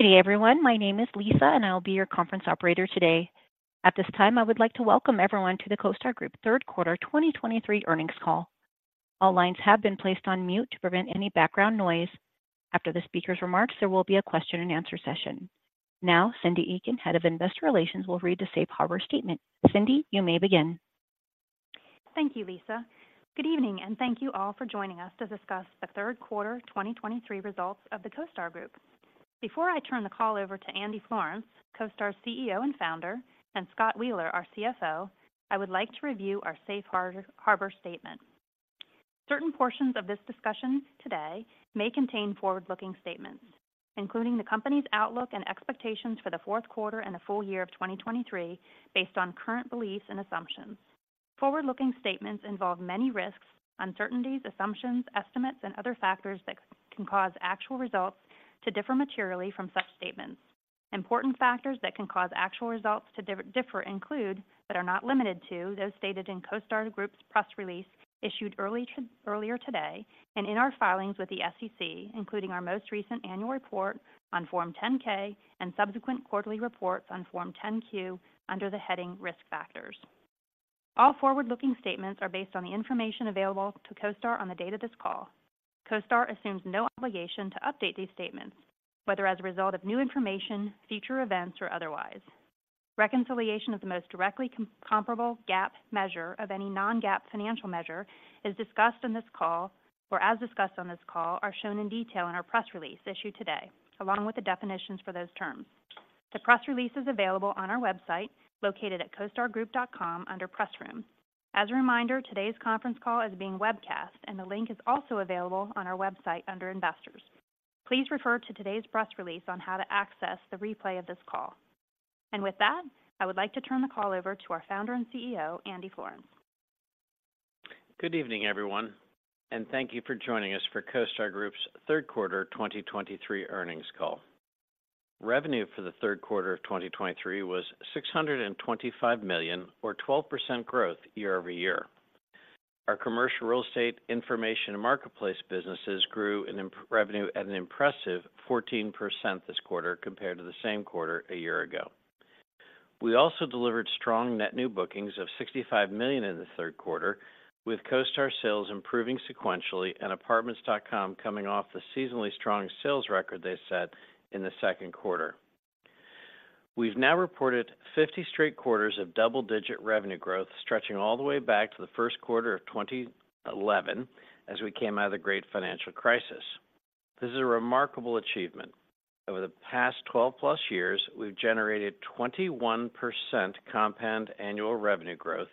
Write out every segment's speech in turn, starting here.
Good day, everyone. My name is Lisa, and I'll be your conference operator today. At this time, I would like to welcome everyone to the CoStar Group third quarter 2023 earnings call. All lines have been placed on mute to prevent any background noise. After the speaker's remarks, there will be a question and answer session. Now, Cyndi Eakin, Head of Investor Relations, will read the safe harbor statement. Cyndi, you may begin. Thank you, Lisa. Good evening, and thank you all for joining us to discuss the third quarter 2023 results of the CoStar Group. Before I turn the call over to Andy Florance, CoStar's CEO and founder, and Scott Wheeler, our CFO, I would like to review our safe harbor statement. Certain portions of this discussion today may contain forward-looking statements, including the company's outlook and expectations for the fourth quarter and the full year of 2023, based on current beliefs and assumptions. Forward-looking statements involve many risks, uncertainties, assumptions, estimates, and other factors that can cause actual results to differ materially from such statements. Important factors that can cause actual results to differ include, but are not limited to, those stated in CoStar Group's press release issued earlier today, and in our filings with the SEC, including our most recent annual report on Form 10-K and subsequent quarterly reports on Form 10-Q under the heading Risk Factors. All forward-looking statements are based on the information available to CoStar on the date of this call. CoStar assumes no obligation to update these statements, whether as a result of new information, future events, or otherwise. Reconciliation of the most directly comparable GAAP measure of any non-GAAP financial measure is discussed in this call or as discussed on this call, are shown in detail in our press release issued today, along with the definitions for those terms. The press release is available on our website, located at costargroup.com under Press Room. As a reminder, today's conference call is being webcast, and the link is also available on our website under Investors. Please refer to today's press release on how to access the replay of this call. With that, I would like to turn the call over to our founder and CEO, Andy Florance. Good evening, everyone, and thank you for joining us for CoStar Group's third quarter 2023 earnings call. Revenue for the third quarter of 2023 was $625 million, or 12% growth year-over-year. Our commercial real estate information and marketplace businesses grew impressive revenue at an impressive 14% this quarter compared to the same quarter a year ago. We also delivered strong net new bookings of $65 million in the third quarter, with CoStar sales improving sequentially and Apartments.com coming off the seasonally strong sales record they set in the second quarter. We've now reported 50 straight quarters of double-digit revenue growth, stretching all the way back to the first quarter of 2011 as we came out of the Great Financial Crisis. This is a remarkable achievement. Over the past 12+ years, we've generated 21% compound annual revenue growth,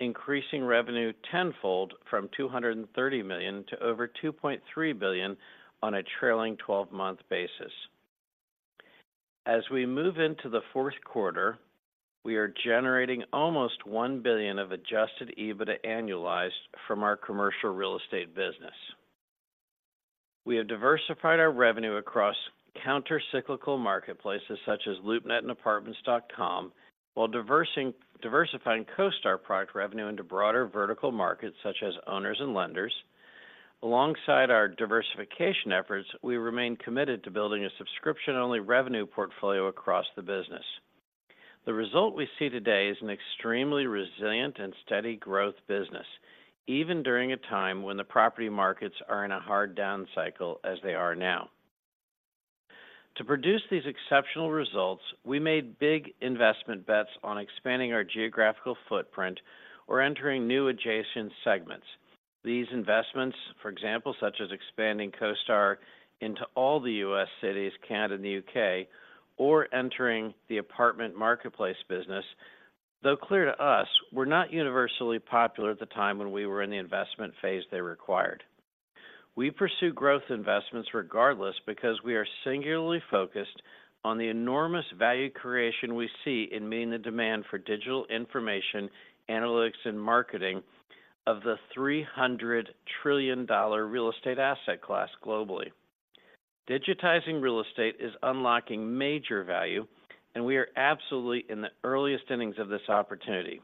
increasing revenue tenfold from $230 million to over $2.3 billion on a trailing twelve-month basis. As we move into the fourth quarter, we are generating almost $1 billion of Adjusted EBITDA annualized from our commercial real estate business. We have diversified our revenue across counter-cyclical marketplaces such as LoopNet and Apartments.com, while diversifying CoStar product revenue into broader vertical markets such as owners and lenders. Alongside our diversification efforts, we remain committed to building a subscription-only revenue portfolio across the business. The result we see today is an extremely resilient and steady growth business, even during a time when the property markets are in a hard down cycle as they are now. To produce these exceptional results, we made big investment bets on expanding our geographical footprint or entering new adjacent segments. These investments, for example, such as expanding CoStar into all the U.S. cities, Canada, and the U.K., or entering the apartment marketplace business, though clear to us, were not universally popular at the time when we were in the investment phase they required. We pursue growth investments regardless because we are singularly focused on the enormous value creation we see in meeting the demand for digital information, analytics, and marketing of the $300 trillion real estate asset class globally. Digitizing real estate is unlocking major value, and we are absolutely in the earliest innings of this opportunity.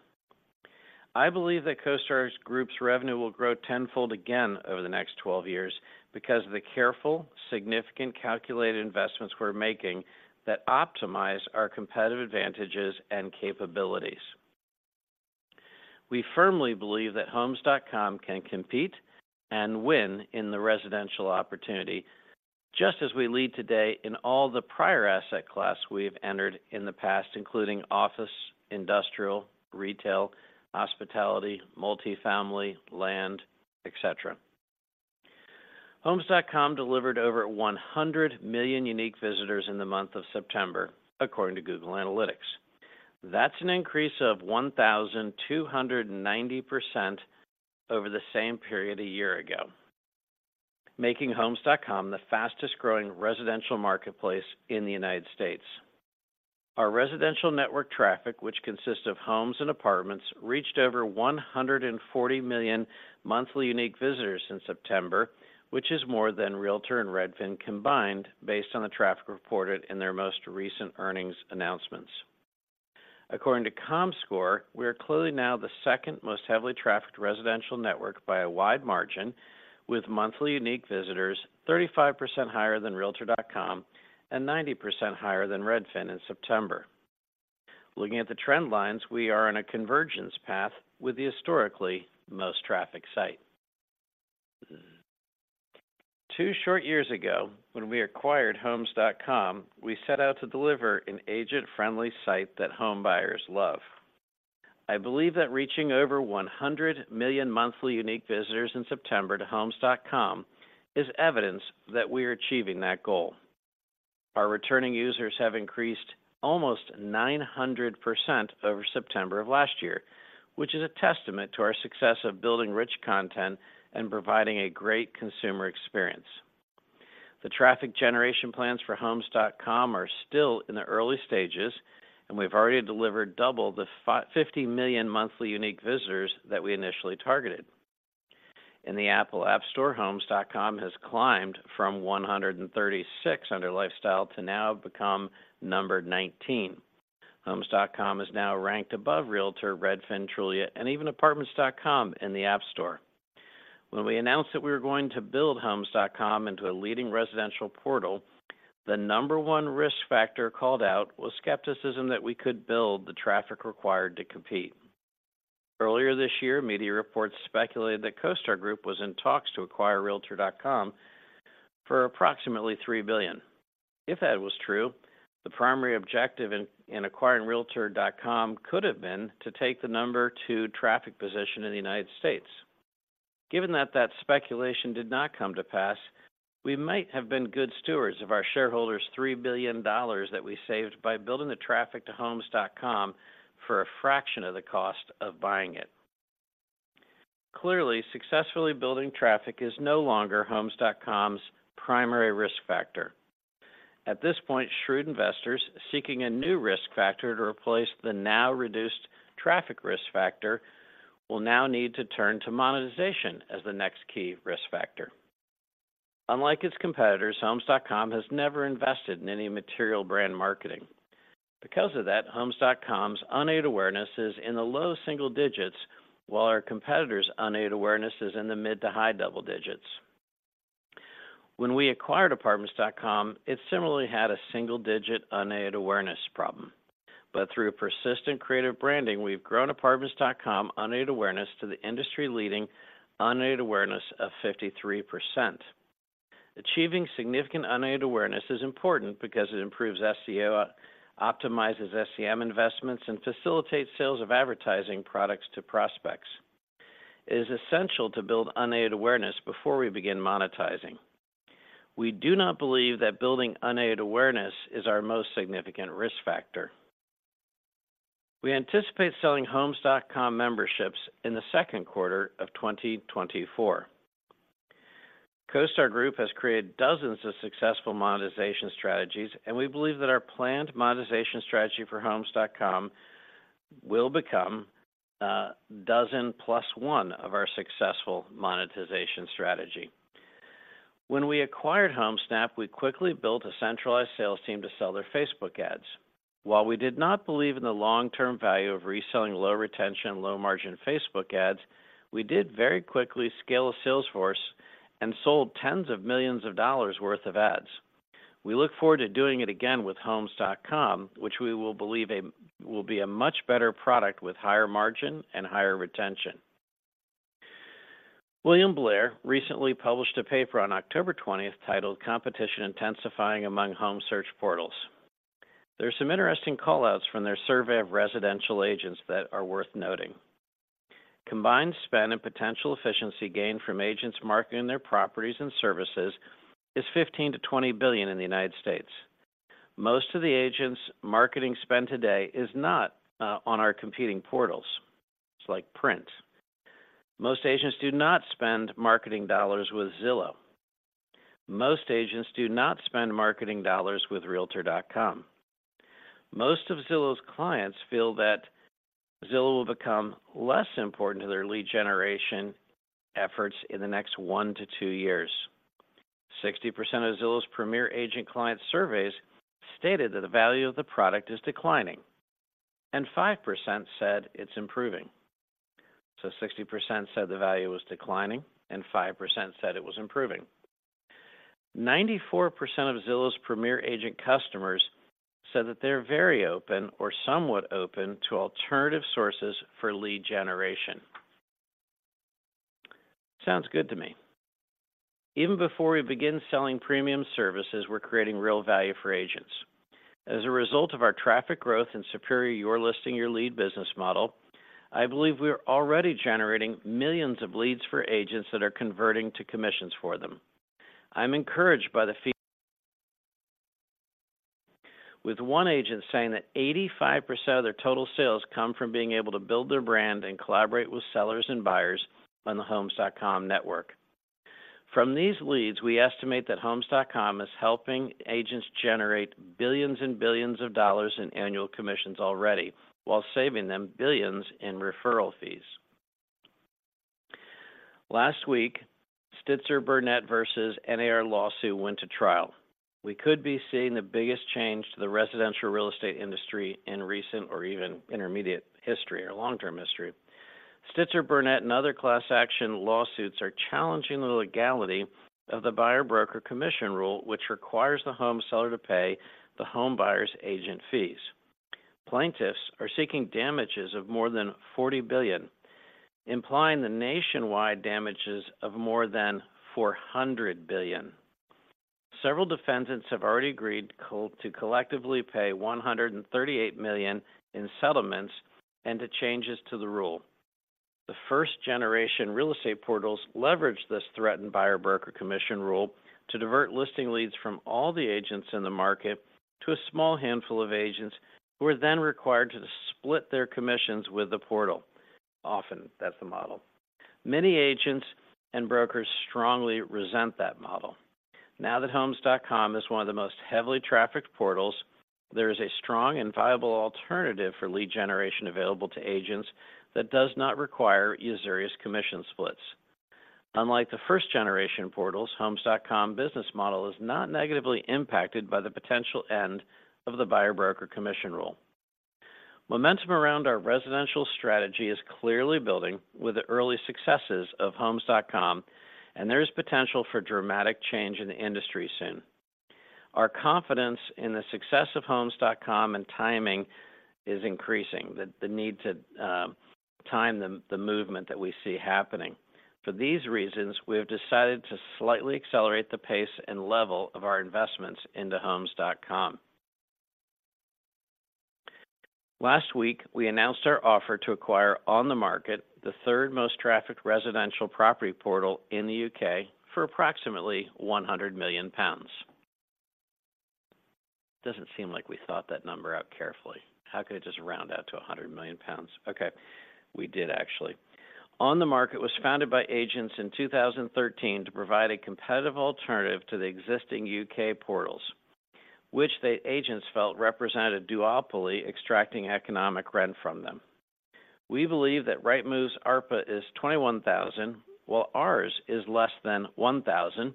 I believe that CoStar Group's revenue will grow tenfold again over the next 12 years because of the careful, significant, calculated investments we're making that optimize our competitive advantages and capabilities. We firmly believe that Homes.com can compete and win in the residential opportunity, just as we lead today in all the prior asset class we have entered in the past, including office, industrial, retail, hospitality, multifamily, land, et cetera. Homes.com delivered over 100 million unique visitors in the month of September, according to Google Analytics. That's an increase of 1,290% over the same period a year ago, making Homes.com the fastest-growing residential marketplace in the United States. Our residential network traffic, which consists of homes and apartments, reached over 140 million monthly unique visitors in September, which is more than Realtor and Redfin combined, based on the traffic reported in their most recent earnings announcements.... According to Comscore, we are clearly now the second most heavily trafficked residential network by a wide margin, with monthly unique visitors 35% higher than Realtor.com and 90% higher than Redfin in September. Looking at the trend lines, we are on a convergence path with the historically most trafficked site. Two short years ago, when we acquired Homes.com, we set out to deliver an agent-friendly site that home buyers love. I believe that reaching over 100 million monthly unique visitors in September to Homes.com is evidence that we are achieving that goal. Our returning users have increased almost 900% over September of last year, which is a testament to our success of building rich content and providing a great consumer experience. The traffic generation plans for Homes.com are still in the early stages, and we've already delivered double the 50 million monthly unique visitors that we initially targeted. In the Apple App Store, Homes.com has climbed from 136 under lifestyle to now become number 19. Homes.com is now ranked above Realtor, Redfin, Trulia, and even Apartments.com in the App Store. When we announced that we were going to build Homes.com into a leading residential portal, the number one risk factor called out was skepticism that we could build the traffic required to compete. Earlier this year, media reports speculated that CoStar Group was in talks to acquire Realtor.com for approximately $3 billion. If that was true, the primary objective in acquiring Realtor.com could have been to take the number two traffic position in the United States. Given that that speculation did not come to pass, we might have been good stewards of our shareholders' $3 billion that we saved by building the traffic to Homes.com for a fraction of the cost of buying it. Clearly, successfully building traffic is no longer Homes.com's primary risk factor. At this point, shrewd investors seeking a new risk factor to replace the now reduced traffic risk factor will now need to turn to monetization as the next key risk factor. Unlike its competitors, Homes.com has never invested in any material brand marketing. Because of that, Homes.com's unaided awareness is in the low single digits, while our competitors' unaided awareness is in the mid to high double digits. When we acquired Apartments.com, it similarly had a single-digit unaided awareness problem. But through persistent creative branding, we've grown Apartments.com unaided awareness to the industry-leading unaided awareness of 53%. Achieving significant unaided awareness is important because it improves SEO, optimizes SEM investments, and facilitates sales of advertising products to prospects. It is essential to build unaided awareness before we begin monetizing. We do not believe that building unaided awareness is our most significant risk factor. We anticipate selling Homes.com memberships in the second quarter of 2024. CoStar Group has created dozens of successful monetization strategies, and we believe that our planned monetization strategy for Homes.com will become, dozen +1 of our successful monetization strategy. When we acquired Homesnap, we quickly built a centralized sales team to sell their Facebook ads. While we did not believe in the long-term value of reselling low-retention, low-margin Facebook ads, we did very quickly scale a sales force and sold $10s of millions worth of ads. We look forward to doing it again with Homes.com, which we will believe will be a much better product with higher margin and higher retention. William Blair recently published a paper on October 20, titled Competition Intensifying Among Home Search Portals. There are some interesting call-outs from their survey of residential agents that are worth noting. Combined spend and potential efficiency gained from agents marketing their properties and services is $15 billion-$20 billion in the United States. Most of the agents' marketing spend today is not on our competing portals. It's like print. Most agents do not spend marketing dollars with Zillow. Most agents do not spend marketing dollars with Realtor.com. Most of Zillow's clients feel that Zillow will become less important to their lead generation efforts in the next one to two years. 60% of Zillow's Premier Agent client surveys stated that the value of the product is declining, and 5% said it's improving. So 60% said the value was declining, and 5% said it was improving. 94% of Zillow's Premier Agent customers said that they're very open or somewhat open to alternative sources for lead generation. Sounds good to me. Even before we begin selling premium services, we're creating real value for agents. As a result of our traffic growth and superior Your Listing, Your Lead business model, I believe we are already generating millions of leads for agents that are converting to commissions for them. I'm encouraged by the fee- With one agent saying that 85% of their total sales come from being able to build their brand and collaborate with sellers and buyers on the Homes.com network. From these leads, we estimate that Homes.com is helping agents generate $billions and billions in annual commissions already, while saving them $billions in referral fees. Last week, Sitzer Burnett versus NAR lawsuit went to trial. We could be seeing the biggest change to the residential real estate industry in recent or even intermediate history or long-term history. Sitzer Burnett and other class action lawsuits are challenging the legality of the Buyer-Broker Commission Rule, which requires the home seller to pay the home buyer's agent fees. Plaintiffs are seeking damages of more than $40 billion, implying the nationwide damages of more than $400 billion. Several defendants have already agreed to collectively pay $138 million in settlements and to changes to the rule. The first-generation real estate portals leveraged this threatened Buyer-Broker Commission Rule to divert listing leads from all the agents in the market to a small handful of agents, who are then required to split their commissions with the portal. Often, that's the model. Many agents and brokers strongly resent that model. Now that Homes.com is one of the most heavily trafficked portals, there is a strong and viable alternative for lead generation available to agents that does not require usurious commission splits. Unlike the first-generation portals, Homes.com business model is not negatively impacted by the potential end of the Buyer-Broker Commission Rule. Momentum around our residential strategy is clearly building with the early successes of Homes.com, and there is potential for dramatic change in the industry soon. Our confidence in the success of Homes.com and timing is increasing, the need to time the movement that we see happening. For these reasons, we have decided to slightly accelerate the pace and level of our investments into Homes.com. Last week, we announced our offer to acquire OnTheMarket, the third-most trafficked residential property portal in the U.K., for approximately 100 million pounds. Doesn't seem like we thought that number out carefully. How could it just round out to 100 million pounds? Okay, we did actually. OnTheMarket was founded by agents in 2013 to provide a competitive alternative to the existing U.K. portals, which the agents felt represented a duopoly extracting economic rent from them. We believe that Rightmove's ARPA is 21,000, while ours is less than 1,000,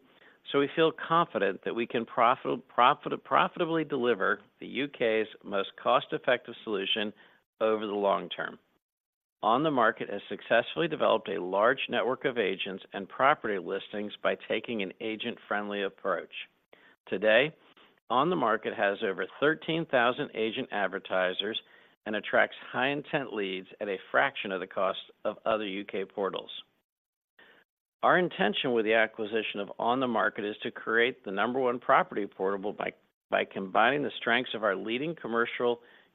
so we feel confident that we can profitably deliver the U.K.'s most cost-effective solution over the long term. OnTheMarket has successfully developed a large network of agents and property listings by taking an agent-friendly approach. Today, OnTheMarket has over 13,000 agent advertisers and attracts high-intent leads at a fraction of the cost of other U.K. portals. Our intention with the acquisition of OnTheMarket is to create the number one property portal by combining the strengths of our leading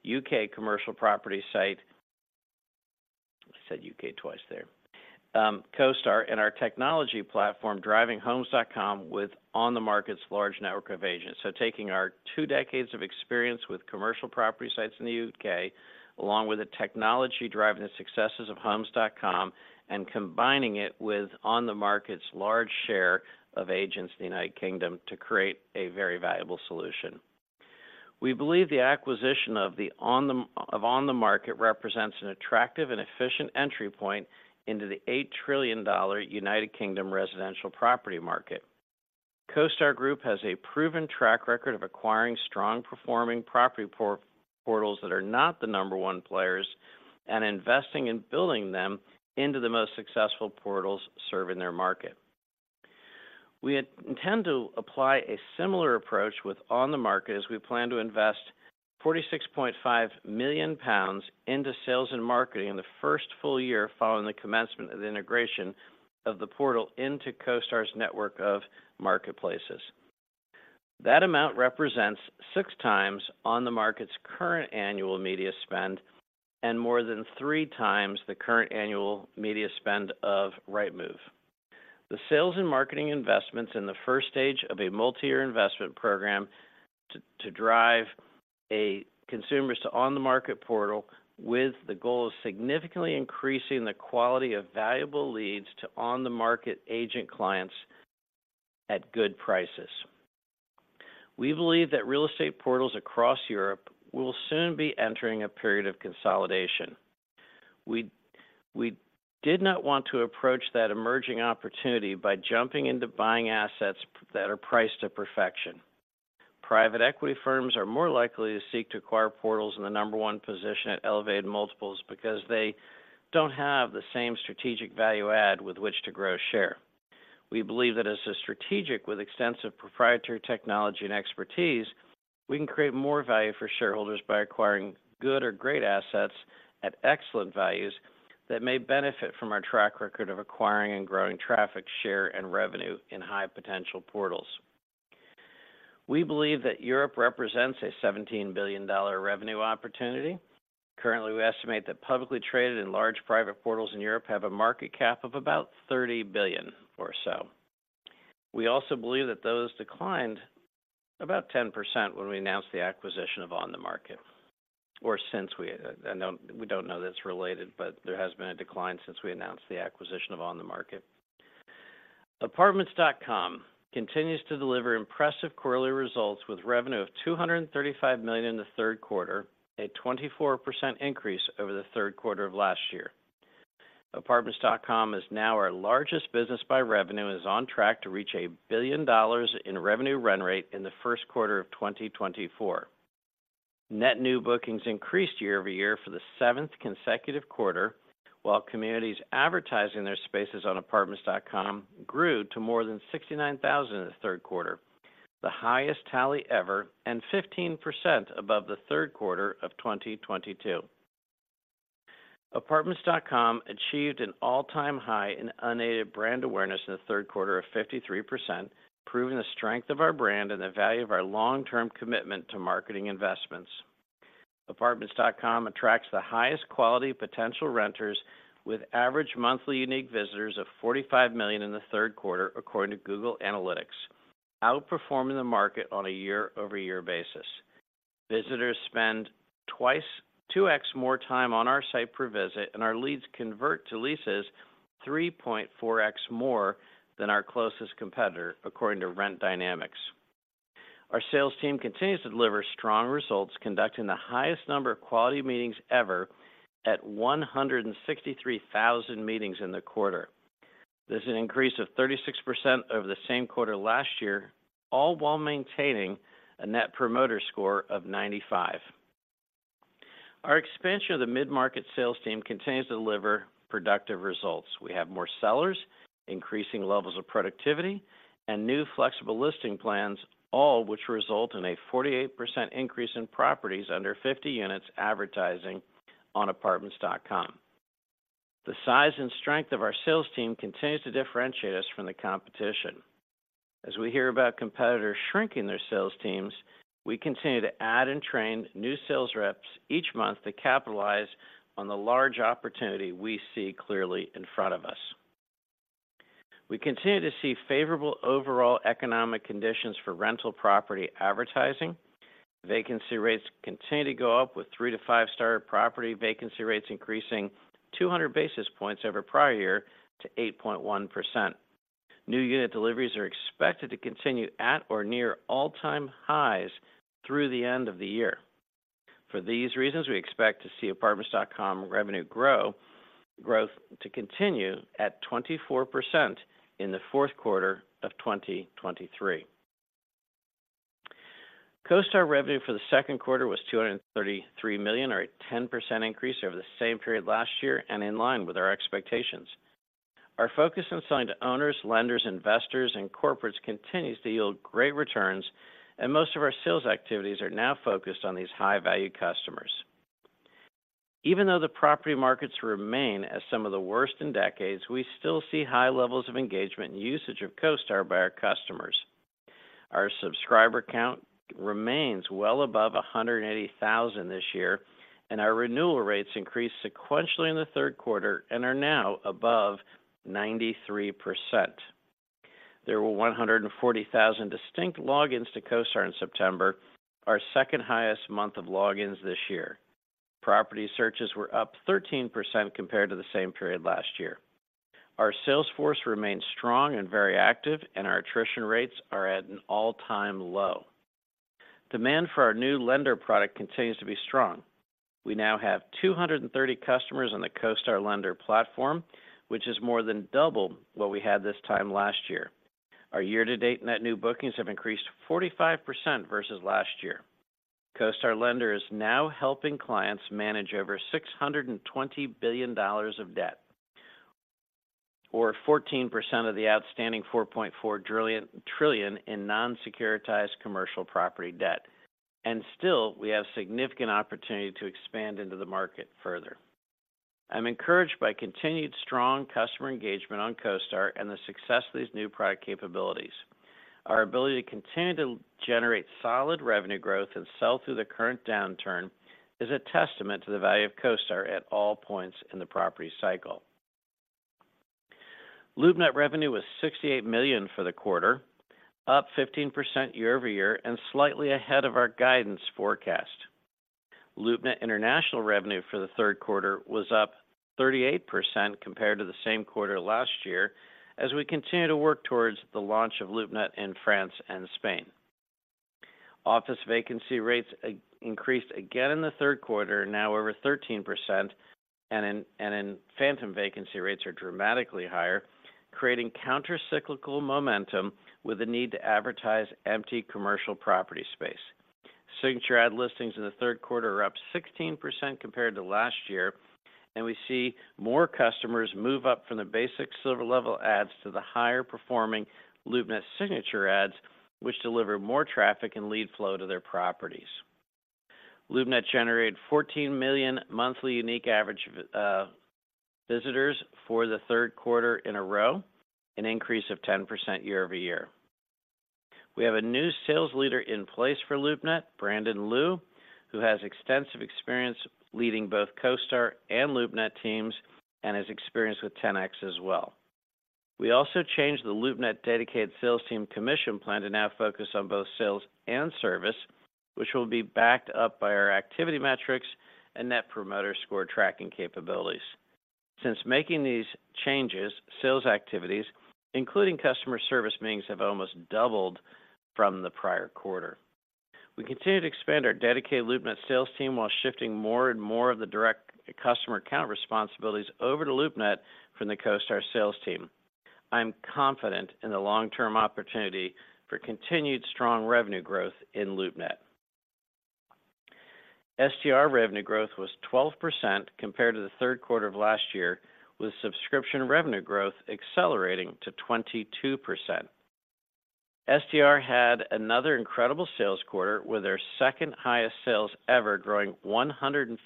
U.K. commercial property site, CoStar and our technology platform, driving Homes.com, with OnTheMarket's large network of agents. So taking our two decades of experience with commercial property sites in the U.K., along with the technology driving the successes of Homes.com, and combining it with OnTheMarket's large share of agents in the United Kingdom to create a very valuable solution. We believe the acquisition of OnTheMarket represents an attractive and efficient entry point into the GBP 8 trillion United Kingdom residential property market. CoStar Group has a proven track record of acquiring strong-performing property portals that are not the number one players and investing in building them into the most successful portals serving their market. We intend to apply a similar approach with OnTheMarket, as we plan to invest 46.5 million pounds into sales and marketing in the first full year following the commencement of the integration of the portal into CoStar's network of marketplaces. That amount represents 6x OnTheMarket's current annual media spend and more than 3x the current annual media spend of Rightmove. The sales and marketing investments in the first stage of a multi-year investment program to drive consumers to OnTheMarket portal with the goal of significantly increasing the quality of valuable leads to OnTheMarket agent clients at good prices. We believe that real estate portals across Europe will soon be entering a period of consolidation. We did not want to approach that emerging opportunity by jumping into buying assets that are priced to perfection. Private equity firms are more likely to seek to acquire portals in the No. 1 position at elevated multiples because they don't have the same strategic value add with which to grow share. We believe that as a strategic with extensive proprietary technology and expertise, we can create more value for shareholders by acquiring good or great assets at excellent values that may benefit from our track record of acquiring and growing traffic, share, and revenue in high-potential portals. We believe that Europe represents a $17 billion revenue opportunity. Currently, we estimate that publicly traded and large private portals in Europe have a market cap of about $30 billion or so. We also believe that those declined about 10% when we announced the acquisition of OnTheMarket, or since we-- I know we don't know that it's related, but there has been a decline since we announced the acquisition of OnTheMarket.... Apartments.com continues to deliver impressive quarterly results with revenue of $235 million in the third quarter, a 24% increase over the third quarter of last year. Apartments.com is now our largest business by revenue, and is on track to reach $1 billion in revenue run rate in the first quarter of 2024. Net new bookings increased year-over-year for the seventh consecutive quarter, while communities advertising their spaces on Apartments.com grew to more than 69,000 in the third quarter, the highest tally ever, and 15% above the third quarter of 2022. Apartments.com achieved an all-time high in unaided brand awareness in the third quarter of 53%, proving the strength of our brand and the value of our long-term commitment to marketing investments. Apartments.com attracts the highest quality potential renters with average monthly unique visitors of 45 million in the third quarter, according to Google Analytics, outperforming the market on a year-over-year basis. Visitors spend 2x more time on our site per visit, and our leads convert to leases 3.4x more than our closest competitor, according to Rent Dynamics. Our sales team continues to deliver strong results, conducting the highest number of quality meetings ever at 163,000 meetings in the quarter. This is an increase of 36% over the same quarter last year, all while maintaining a Net Promoter Score of 95. Our expansion of the mid-market sales team continues to deliver productive results. We have more sellers, increasing levels of productivity and new flexible listing plans, all which result in a 48% increase in properties under 50 units advertising on Apartments.com. The size and strength of our sales team continues to differentiate us from the competition. As we hear about competitors shrinking their sales teams, we continue to add and train new sales reps each month to capitalize on the large opportunity we see clearly in front of us. We continue to see favorable overall economic conditions for rental property advertising. Vacancy rates continue to go up, with three to five star property vacancy rates increasing 200 basis points over prior year to 8.1%. New unit deliveries are expected to continue at or near all-time highs through the end of the year. For these reasons, we expect to see Apartments.com revenue growth to continue at 24% in the fourth quarter of 2023. CoStar revenue for the second quarter was $233 million, or a 10% increase over the same period last year, and in line with our expectations. Our focus on selling to owners, lenders, investors, and corporates continues to yield great returns, and most of our sales activities are now focused on these high-value customers. Even though the property markets remain as some of the worst in decades, we still see high levels of engagement and usage of CoStar by our customers. Our subscriber count remains well above 180,000 this year, and our renewal rates increased sequentially in the third quarter and are now above 93%. There were 140,000 distinct logins to CoStar in September, our second highest month of logins this year. Property searches were up 13% compared to the same period last year. Our sales force remains strong and very active, and our attrition rates are at an all-time low. Demand for our new lender product continues to be strong. We now have 230 customers on the CoStar Lender platform, which is more than double what we had this time last year. Our year-to-date net new bookings have increased 45% versus last year. CoStar Lender is now helping clients manage over $620 billion of debt, or 14% of the outstanding $4.4 trillion in non-securitized commercial property debt. Still, we have significant opportunity to expand into the market further. I'm encouraged by continued strong customer engagement on CoStar and the success of these new product capabilities. Our ability to continue to generate solid revenue growth and sell through the current downturn is a testament to the value of CoStar at all points in the property cycle. LoopNet revenue was $68 million for the quarter, up 15% year-over-year and slightly ahead of our guidance forecast. LoopNet International revenue for the third quarter was up 38% compared to the same quarter last year, as we continue to work towards the launch of LoopNet in France and Spain. Office vacancy rates increased again in the third quarter, now over 13%, and phantom vacancy rates are dramatically higher, creating counter-cyclical momentum with the need to advertise empty commercial property space. Signature ad listings in the third quarter are up 16% compared to last year, and we see more customers move up from the basic Silver level ads to the higher performing LoopNet Signature ads, which deliver more traffic and lead flow to their properties. LoopNet generated 14 million monthly unique average visitors for the third quarter in a row, an increase of 10% year-over-year. We have a new sales leader in place for LoopNet, Brandon Lu, who has extensive experience leading both CoStar and LoopNet teams and has experience with Ten-X as well. We also changed the LoopNet dedicated sales team commission plan to now focus on both sales and service, which will be backed up by our activity metrics and Net Promoter Score tracking capabilities. Since making these changes, sales activities, including customer service meetings, have almost doubled from the prior quarter. We continue to expand our dedicated LoopNet sales team while shifting more and more of the direct customer account responsibilities over to LoopNet from the CoStar sales team. I'm confident in the long-term opportunity for continued strong revenue growth in LoopNet. STR revenue growth was 12% compared to the third quarter of last year, with subscription revenue growth accelerating to 22%. STR had another incredible sales quarter, with their second highest sales ever, growing 156%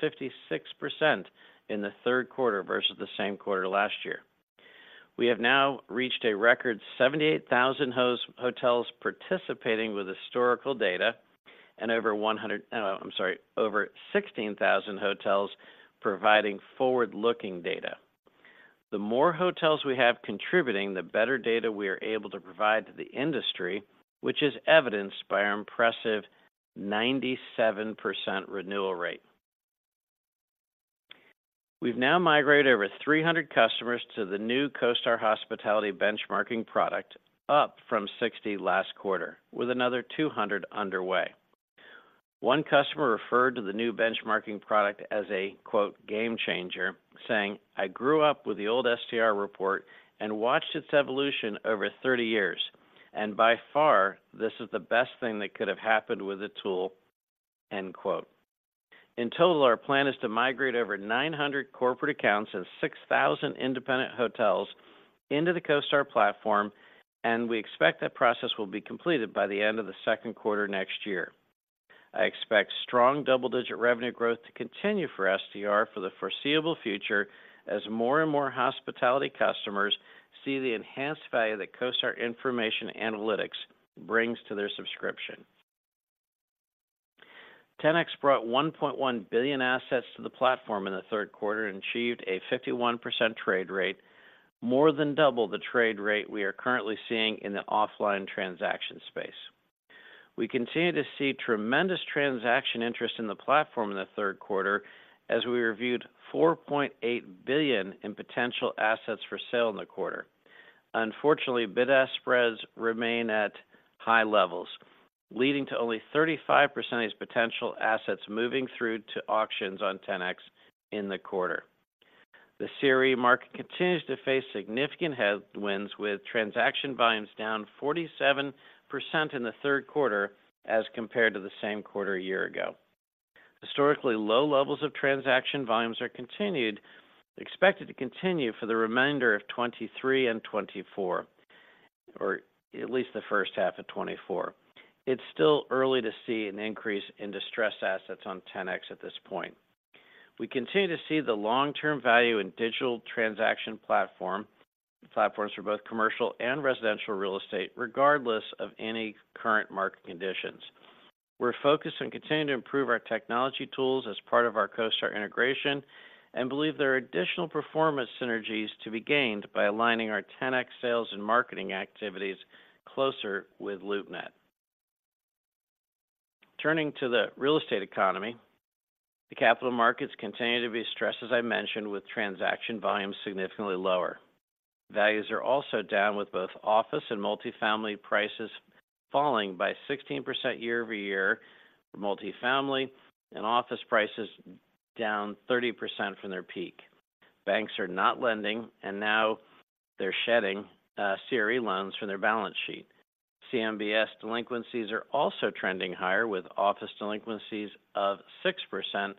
in the third quarter versus the same quarter last year. We have now reached a record 78,000 hotels participating with historical data and over 16,000 hotels providing forward-looking data. The more hotels we have contributing, the better data we are able to provide to the industry, which is evidenced by our impressive 97% renewal rate. We've now migrated over 300 customers to the new CoStar Hospitality benchmarking product, up from 60 last quarter, with another 200 underway. One customer referred to the new benchmarking product as a, quote, "game changer," saying: "I grew up with the old STR report and watched its evolution over 30 years, and by far, this is the best thing that could have happened with the tool," end quote. In total, our plan is to migrate over 900 corporate accounts and 6,000 independent hotels into the CoStar platform, and we expect that process will be completed by the end of the second quarter next year. I expect strong double-digit revenue growth to continue for STR for the foreseeable future, as more and more hospitality customers see the enhanced value that CoStar information analytics brings to their subscription. Ten-X brought $1.1 billion assets to the platform in the third quarter and achieved a 51% trade rate, more than double the trade rate we are currently seeing in the offline transaction space. We continue to see tremendous transaction interest in the platform in the third quarter, as we reviewed $4.8 billion in potential assets for sale in the quarter. Unfortunately, bid-ask spreads remain at high levels, leading to only 35% of these potential assets moving through to auctions on Ten-X in the quarter. The CRE market continues to face significant headwinds, with transaction volumes down 47% in the third quarter as compared to the same quarter a year ago. Historically, low levels of transaction volumes are expected to continue for the remainder of 2023 and 2024, or at least the first half of 2024. It's still early to see an increase in distressed assets on Ten-X at this point. We continue to see the long-term value in digital transaction platform, platforms for both commercial and residential real estate, regardless of any current market conditions. We're focused on continuing to improve our technology tools as part of our CoStar integration and believe there are additional performance synergies to be gained by aligning our Ten-X sales and marketing activities closer with LoopNet. Turning to the real estate economy, the capital markets continue to be stressed, as I mentioned, with transaction volumes significantly lower. Values are also down, with both office and multifamily prices falling by 16% year-over-year for multifamily, and office prices down 30% from their peak. Banks are not lending, and now they're shedding, CRE loans from their balance sheet. CMBS delinquencies are also trending higher, with office delinquencies of 6%,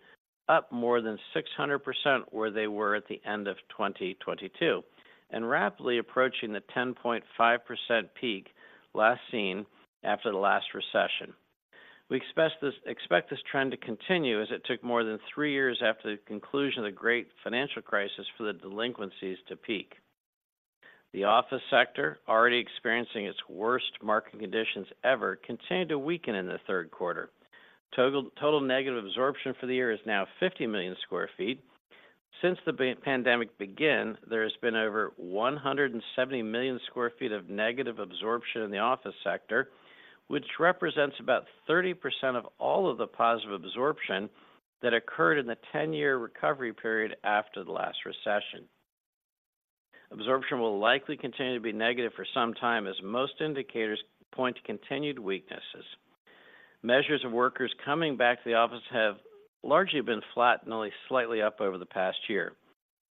up more than 600% where they were at the end of 2022, and rapidly approaching the 10.5% peak last seen after the last recession. We expect this trend to continue, as it took more than three years after the conclusion of the great financial crisis for the delinquencies to peak. The office sector, already experiencing its worst market conditions ever, continued to weaken in the third quarter. Total negative absorption for the year is now 50 million sq ft. Since the pandemic began, there has been over 170 million sq ft of negative absorption in the office sector, which represents about 30% of all of the positive absorption that occurred in the 10-year recovery period after the last recession. Absorption will likely continue to be negative for some time, as most indicators point to continued weaknesses. Measures of workers coming back to the office have largely been flat and only slightly up over the past year.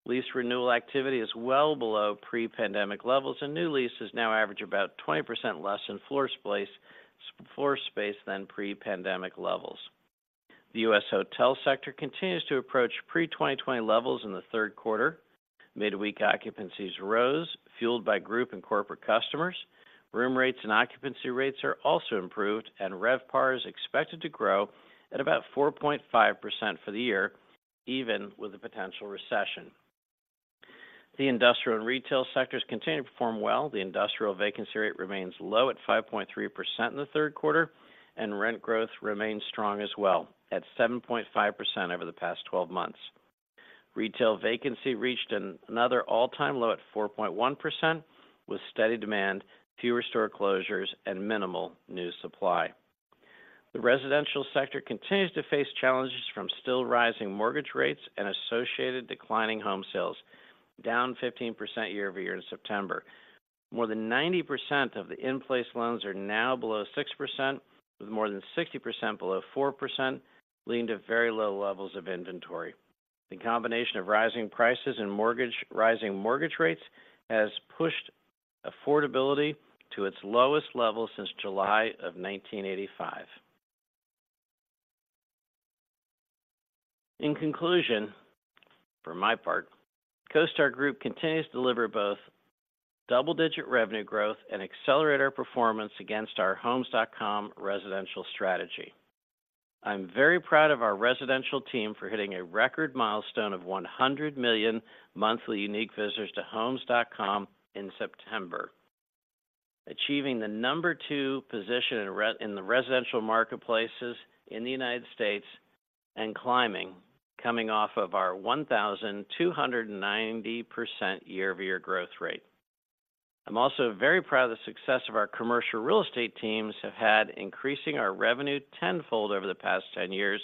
Lease renewal activity is well below pre-pandemic levels, and new leases now average about 20% less in floor space than pre-pandemic levels. The U.S. hotel sector continues to approach pre-2020 levels in the third quarter. Midweek occupancies rose, fueled by group and corporate customers. Room rates and occupancy rates are also improved, and RevPAR is expected to grow at about 4.5% for the year, even with a potential recession. The industrial and retail sectors continue to perform well. The industrial vacancy rate remains low at 5.3% in the third quarter, and rent growth remains strong as well, at 7.5% over the past 12 months. Retail vacancy reached another all-time low at 4.1%, with steady demand, fewer store closures, and minimal new supply. The residential sector continues to face challenges from still rising mortgage rates and associated declining home sales, down 15% year-over-year in September. More than 90% of the in-place loans are now below 6%, with more than 60% below 4%, leading to very low levels of inventory. The combination of rising prices and rising mortgage rates has pushed affordability to its lowest level since July of 1985. In conclusion, for my part, CoStar Group continues to deliver both double-digit revenue growth and accelerate our performance against our homes.com residential strategy. I'm very proud of our residential team for hitting a record milestone of 100 million monthly unique visitors to homes.com in September, achieving the number two position in the residential marketplaces in the United States, and climbing, coming off of our 1,290% year-over-year growth rate. I'm also very proud of the success of our commercial real estate teams have had, increasing our revenue tenfold over the past 10 years,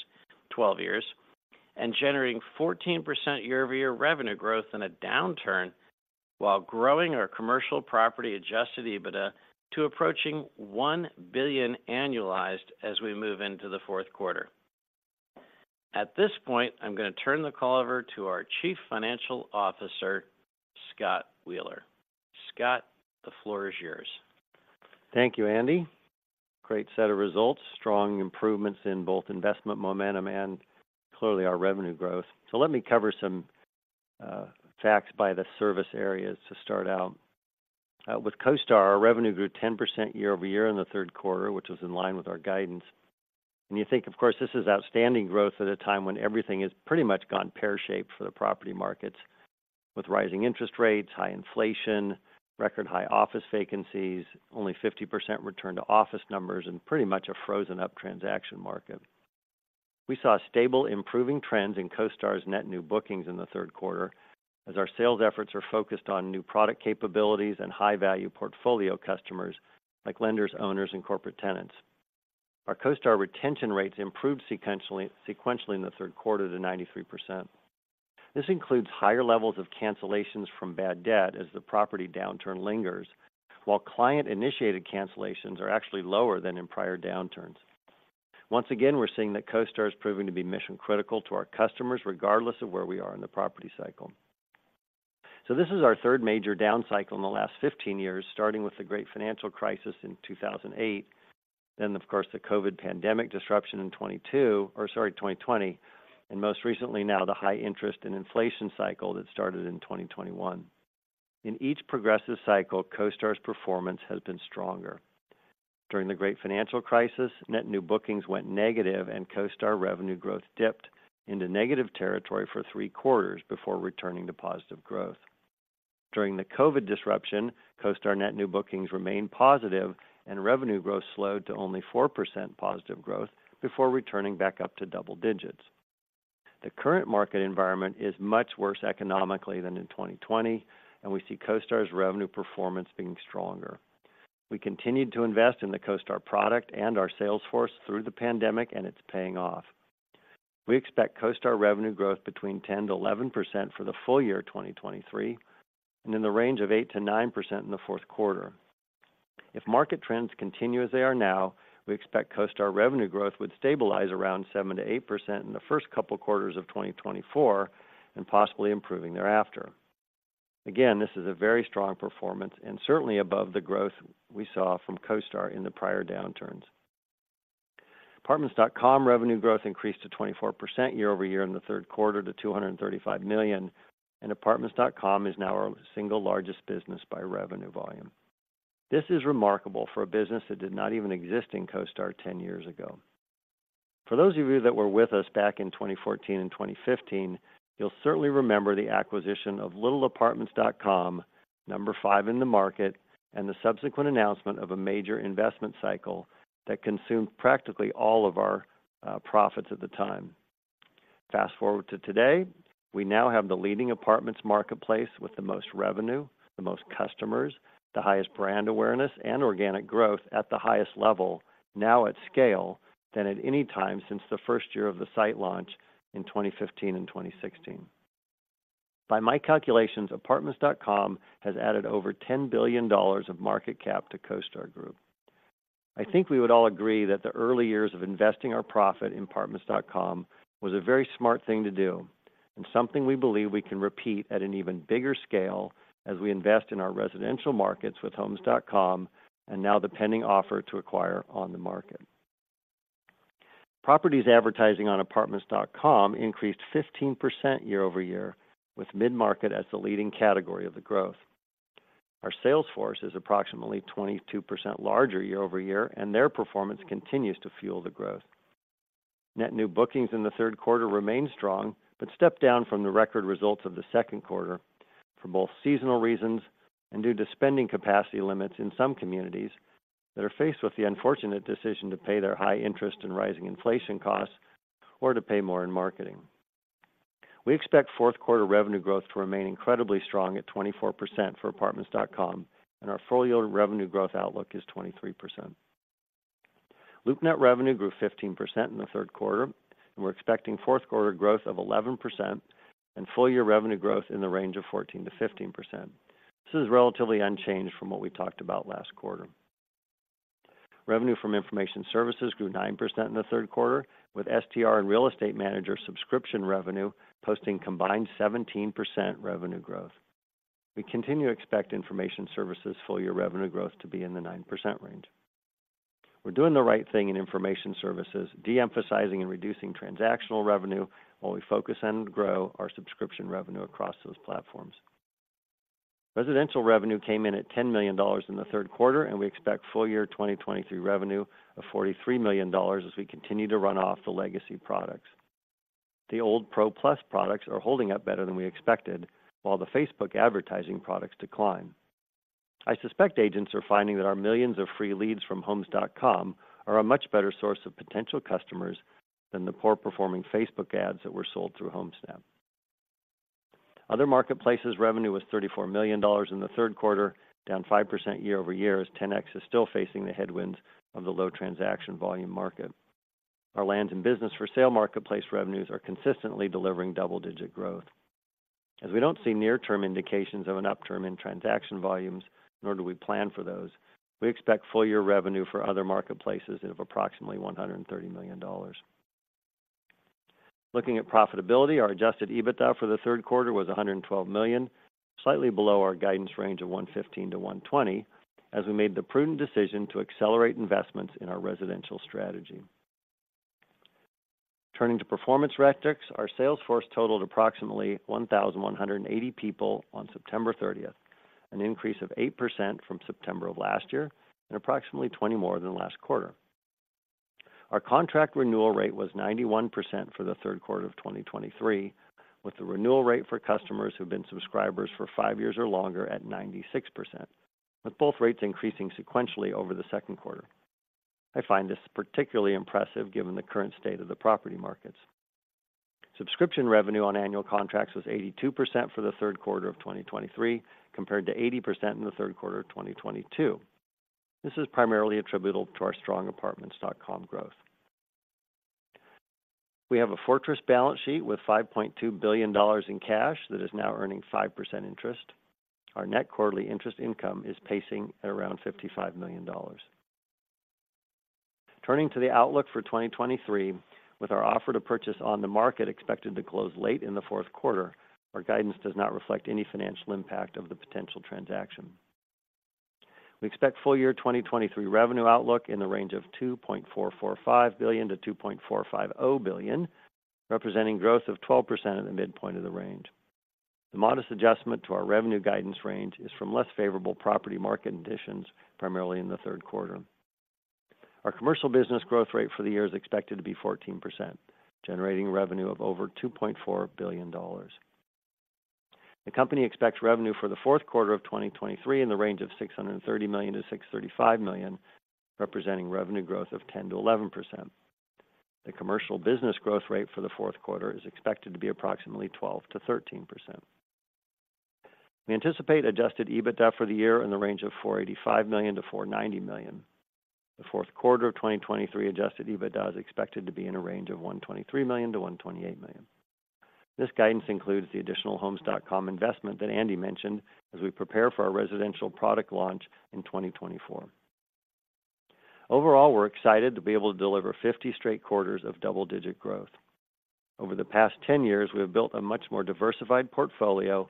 12 years, and generating 14% year-over-year revenue growth in a downturn, while growing our commercial property Adjusted EBITDA to approaching $1 billion annualized as we move into the fourth quarter. At this point, I'm going to turn the call over to our Chief Financial Officer, Scott Wheeler. Scott, the floor is yours. Thank you, Andy. Great set of results. Strong improvements in both investment, momentum and clearly our revenue growth. Let me cover some facts by the service areas to start out. With CoStar, our revenue grew 10% year-over-year in the third quarter, which was in line with our guidance. And you think, of course, this is outstanding growth at a time when everything has pretty much gone pear-shaped for the property markets, with rising interest rates, high inflation, record high office vacancies, only 50% return to office numbers and pretty much a frozen up transaction market. We saw stable, improving trends in CoStar's net new bookings in the third quarter, as our sales efforts are focused on new product capabilities and high-value portfolio customers like lenders, owners, and corporate tenants. Our CoStar retention rates improved sequentially in the third quarter to 93%. This includes higher levels of cancellations from bad debt as the property downturn lingers, while client-initiated cancellations are actually lower than in prior downturns. Once again, we're seeing that CoStar is proving to be mission critical to our customers, regardless of where we are in the property cycle. So this is our third major down cycle in the last 15 years, starting with the great financial crisis in 2008, then, of course, the COVID pandemic disruption in 2020, and most recently now, the high interest and inflation cycle that started in 2021. In each progressive cycle, CoStar's performance has been stronger. During the great financial crisis, net new bookings went negative, and CoStar revenue growth dipped into negative territory for 3 quarters before returning to positive growth. During the COVID disruption, CoStar net new bookings remained positive, and revenue growth slowed to only 4% positive growth before returning back up to double digits. The current market environment is much worse economically than in 2020, and we see CoStar's revenue performance being stronger. We continued to invest in the CoStar product and our sales force through the pandemic, and it's paying off. We expect CoStar revenue growth between 10%-11% for the full year 2023, and in the range of 8%-9% in the fourth quarter. If market trends continue as they are now, we expect CoStar revenue growth would stabilize around 7%-8% in the first couple quarters of 2024, and possibly improving thereafter. Again, this is a very strong performance, and certainly above the growth we saw from CoStar in the prior downturns. Apartments.com revenue growth increased to 24% year-over-year in the third quarter to $235 million, and Apartments.com is now our single largest business by revenue volume. This is remarkable for a business that did not even exist in CoStar 10 years ago. For those of you that were with us back in 2014 and 2015, you'll certainly remember the acquisition of little Apartments.com, number five in the market, and the subsequent announcement of a major investment cycle that consumed practically all of our profits at the time. Fast forward to today, we now have the leading apartments marketplace with the most revenue, the most customers, the highest brand awareness, and organic growth at the highest level, now at scale, than at any time since the first year of the site launch in 2015 and 2016. By my calculations, Apartments.com has added over $10 billion of market cap to CoStar Group. I think we would all agree that the early years of investing our profit in Apartments.com was a very smart thing to do, and something we believe we can repeat at an even bigger scale as we invest in our residential markets with Homes.com and now the pending offer to acquire OnTheMarket. Properties advertising on Apartments.com increased 15% year-over-year, with mid-market as the leading category of the growth. Our sales force is approximately 22% larger year-over-year, and their performance continues to fuel the growth. Net new bookings in the third quarter remained strong, but stepped down from the record results of the second quarter for both seasonal reasons and due to spending capacity limits in some communities... that are faced with the unfortunate decision to pay their high interest and rising inflation costs or to pay more in marketing. We expect fourth quarter revenue growth to remain incredibly strong at 24% for Apartments.com, and our full-year revenue growth outlook is 23%. LoopNet revenue grew 15% in the third quarter, and we're expecting fourth quarter growth of 11% and full-year revenue growth in the range of 14%-15%. This is relatively unchanged from what we talked about last quarter. Revenue from Information Services grew 9% in the third quarter, with STR and Real Estate Manager subscription revenue posting combined 17% revenue growth. We continue to expect Information Services full-year revenue growth to be in the 9% range. We're doing the right thing in Information Services, de-emphasizing and reducing transactional revenue while we focus and grow our subscription revenue across those platforms. Residential revenue came in at $10 million in the third quarter, and we expect full year 2023 revenue of $43 million as we continue to run off the legacy products. The old Pro Plus products are holding up better than we expected, while the Facebook advertising products decline. I suspect agents are finding that our millions of free leads from Homes.com are a much better source of potential customers than the poor-performing Facebook ads that were sold through Homesnap. Other marketplaces revenue was $34 million in the third quarter, down 5% year-over-year, as Ten-X is still facing the headwinds of the low transaction volume market. Our lands and business for sale marketplace revenues are consistently delivering double-digit growth. As we don't see near-term indications of an upturn in transaction volumes, nor do we plan for those, we expect full-year revenue for other marketplaces of approximately $130 million. Looking at profitability, our Adjusted EBITDA for the third quarter was $112 million, slightly below our guidance range of $115-$120, as we made the prudent decision to accelerate investments in our residential strategy. Turning to performance metrics, our sales force totaled approximately 1,180 people on September thirtieth, an increase of 8% from September of last year and approximately 20 more than last quarter. Our contract renewal rate was 91% for the third quarter of 2023, with the renewal rate for customers who've been subscribers for five years or longer at 96%, with both rates increasing sequentially over the second quarter. I find this particularly impressive given the current state of the property markets. Subscription revenue on annual contracts was 82% for the third quarter of 2023, compared to 80% in the third quarter of 2022. This is primarily attributable to our strong Apartments.com growth. We have a fortress balance sheet with $5.2 billion in cash that is now earning 5% interest. Our net quarterly interest income is pacing at around $55 million. Turning to the outlook for 2023, with our offer to purchase OnTheMarket expected to close late in the fourth quarter, our guidance does not reflect any financial impact of the potential transaction. We expect full year 2023 revenue outlook in the range of $2.445 billion-$2.45 billion, representing growth of 12% at the midpoint of the range. The modest adjustment to our revenue guidance range is from less favorable property market conditions, primarily in the third quarter. Our commercial business growth rate for the year is expected to be 14%, generating revenue of over $2.4 billion. The company expects revenue for the fourth quarter of 2023 in the range of $630 million-$635 million, representing revenue growth of 10%-11%. The commercial business growth rate for the fourth quarter is expected to be approximately 12%-13%. We anticipate Adjusted EBITDA for the year in the range of $485 million-$490 million. The fourth quarter of 2023 Adjusted EBITDA is expected to be in a range of $123 million-$128 million. This guidance includes the additional Homes.com investment that Andy mentioned as we prepare for our residential product launch in 2024. Overall, we're excited to be able to deliver 50 straight quarters of double-digit growth. Over the past 10 years, we have built a much more diversified portfolio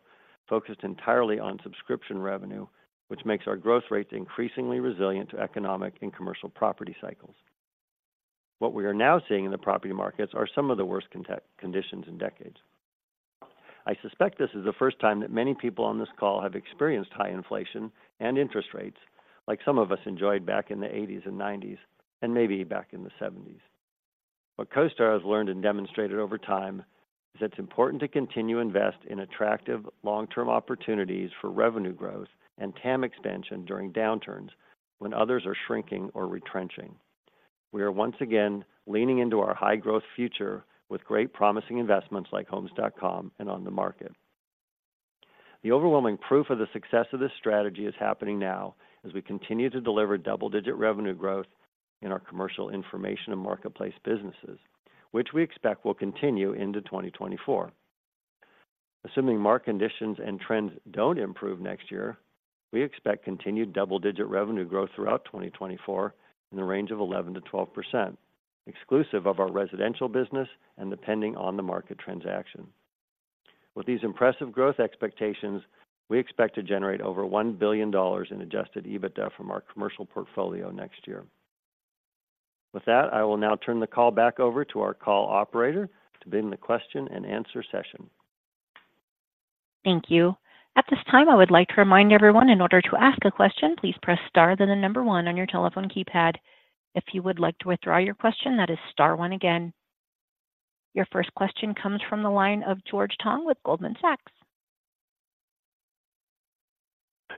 focused entirely on subscription revenue, which makes our growth rates increasingly resilient to economic and commercial property cycles. What we are now seeing in the property markets are some of the worst conditions in decades. I suspect this is the first time that many people on this call have experienced high inflation and interest rates, like some of us enjoyed back in the 1980s and 1990s, and maybe back in the 1970s. What CoStar has learned and demonstrated over time is that it's important to continue to invest in attractive long-term opportunities for revenue growth and TAM expansion during downturns, when others are shrinking or retrenching. We are once again leaning into our high-growth future with great promising investments like OnTheMarket. the overwhelming proof of the success of this strategy is happening now as we continue to deliver double-digit revenue growth in our commercial information and marketplace businesses, which we expect will continue into 2024. Assuming market conditions and trends don't improve next year, we expect continued double-digit revenue growth throughout 2024 in the range of 11%-12%, exclusive of our residential business and depending OnTheMarket transaction. With these impressive growth expectations, we expect to generate over $1 billion in Adjusted EBITDA from our commercial portfolio next year. With that, I will now turn the call back over to our call operator to begin the question and answer session. Thank you. At this time, I would like to remind everyone, in order to ask a question, please press Star, then the number one on your telephone keypad. If you would like to withdraw your question, that is Star 1 again. Your first question comes from the line of George Tong with Goldman Sachs....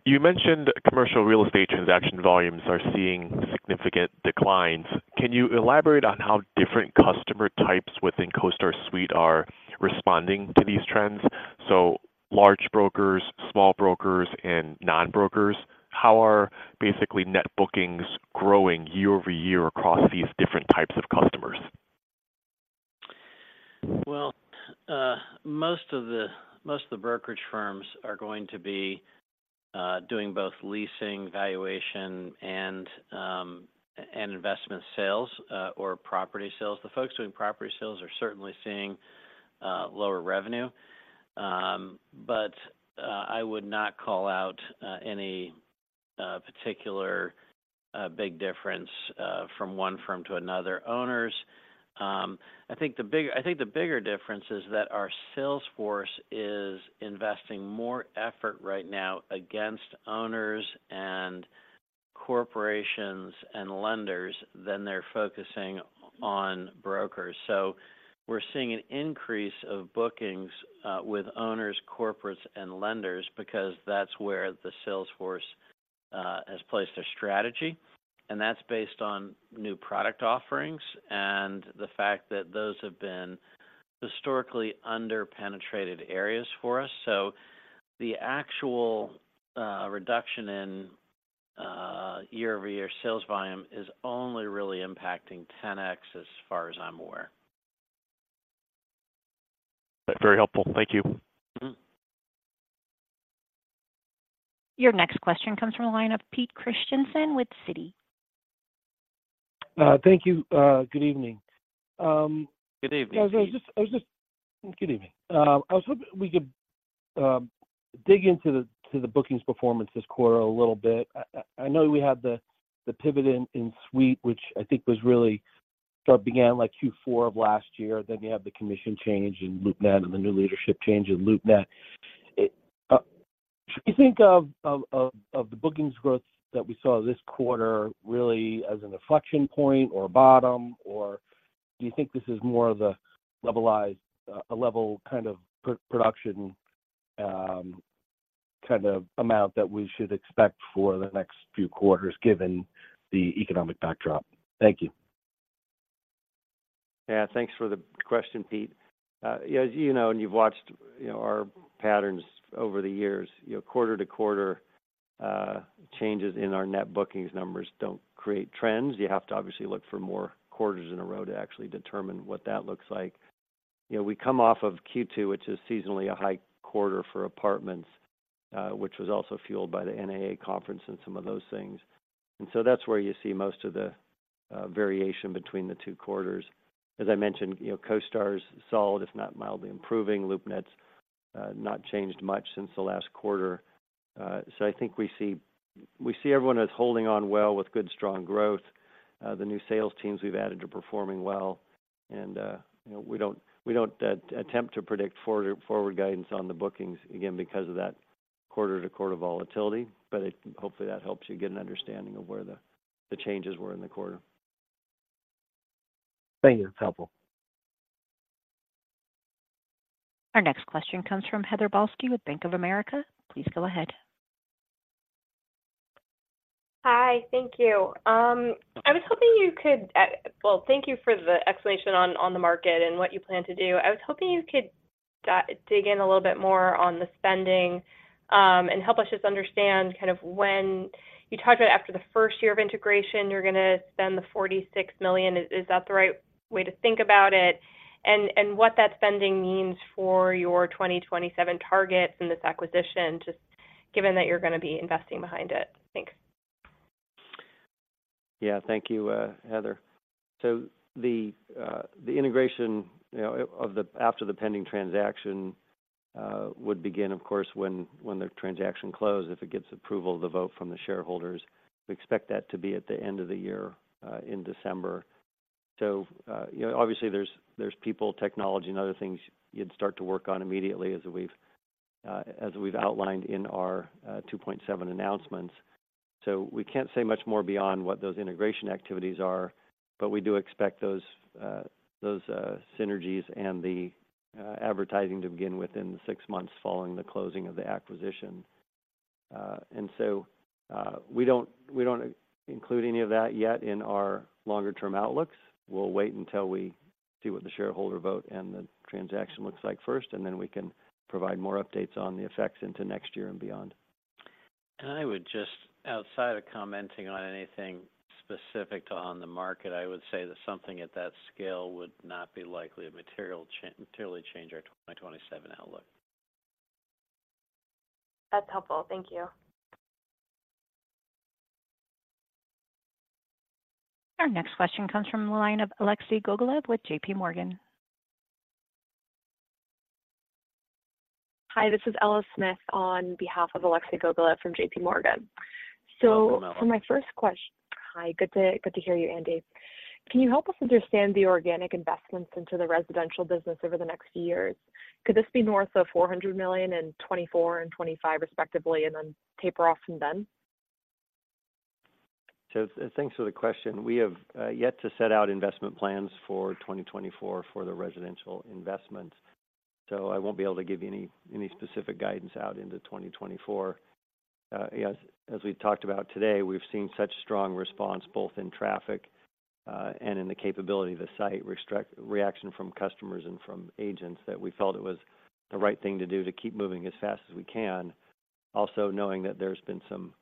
You mentioned commercial real estate transaction volumes are seeing significant declines. Can you elaborate on how different customer types within CoStar Suite are responding to these trends? So large brokers, small brokers, and non-brokers, how are basically net bookings growing year-over-year across these different types of customers? Well, most of the brokerage firms are going to be doing both leasing, valuation, and investment sales, or property sales. The folks doing property sales are certainly seeing lower revenue. But I would not call out any particular big difference from one firm to another. Owners, I think the bigger difference is that our sales force is investing more effort right now against owners and corporations and lenders than they're focusing on brokers. So we're seeing an increase of bookings with owners, corporates, and lenders because that's where the sales force has placed their strategy, and that's based on new product offerings and the fact that those have been historically under-penetrated areas for us. The actual reduction in year-over-year sales volume is only really impacting Ten-X, as far as I'm aware. Very helpful. Thank you. Mm-hmm. Your next question comes from the line of Pete Christiansen with Citi. Thank you. Good evening. Good evening, Pete. I was hoping we could dig into the bookings performance this quarter a little bit. I know we had the pivot in Suite, which I think really started like Q4 of last year, then you have the commission change in LoopNet and the new leadership change in LoopNet. Should we think of the bookings growth that we saw this quarter really as an inflection point or a bottom, or do you think this is more of the levelized, a level kind of production kind of amount that we should expect for the next few quarters, given the economic backdrop? Thank you. Yeah, thanks for the question, Pete. Yeah, as you know, and you've watched, you know, our patterns over the years, you know, quarter-to-quarter changes in our net bookings numbers don't create trends. You have to obviously look for more quarters in a row to actually determine what that looks like. You know, we come off of Q2, which is seasonally a high quarter for apartments, which was also fueled by the NAA conference and some of those things. And so that's where you see most of the variation between the two quarters. As I mentioned, you know, CoStar's solid, if not mildly improving. LoopNet's not changed much since the last quarter. So I think we see, we see everyone as holding on well with good, strong growth. The new sales teams we've added are performing well, and you know, we don't attempt to predict forward guidance on the bookings, again, because of that quarter-to-quarter volatility. But hopefully, that helps you get an understanding of where the changes were in the quarter. Thank you. That's helpful. Our next question comes from Heather Balsky with Bank of America. Please go ahead. Hi, thank you. I was hoping you could... Well, thank you for the explanation OnTheMarket and what you plan to do. I was hoping you could dig in a little bit more on the spending and help us just understand kind of when—you talked about after the first year of integration, you're gonna spend the $46 million. Is that the right way to think about it? And what that spending means for your 2027 targets in this acquisition, just given that you're gonna be investing behind it. Thanks. Yeah. Thank you, Heather. So the integration, you know, of the after the pending transaction would begin, of course, when the transaction closed, if it gets approval of the vote from the shareholders. We expect that to be at the end of the year in December. So, you know, obviously, there's people, technology, and other things you'd start to work on immediately, as we've outlined in our 2.7 announcements. So we can't say much more beyond what those integration activities are, but we do expect those synergies and the advertising to begin within six months following the closing of the acquisition. And so, we don't include any of that yet in our longer-term outlooks. We'll wait until we see what the shareholder vote and the transaction looks like first, and then we can provide more updates on the effects into next year and beyond. I would just, outside of commenting on anything specific to OnTheMarket, I would say that something at that scale would not be likely to materially change our 2027 outlook. That's helpful. Thank you. Our next question comes from the line of Alexei Gogolev with JPMorgan. Hi, this is Ella Smith on behalf of Alexei Gogolev from JPMorgan. Welcome, Ella. Hi, good to hear you, Andy. Can you help us understand the organic investments into the residential business over the next few years? Could this be north of $400 million in 2024 and 2025, respectively, and then taper off from then? ... So, thanks for the question. We have yet to set out investment plans for 2024 for the residential investments, so I won't be able to give you any specific guidance out into 2024. Yes, as we've talked about today, we've seen such strong response, both in traffic and in the capability of the site, reaction from customers and from agents, that we felt it was the right thing to do to keep moving as fast as we can. Also, knowing that there's been some,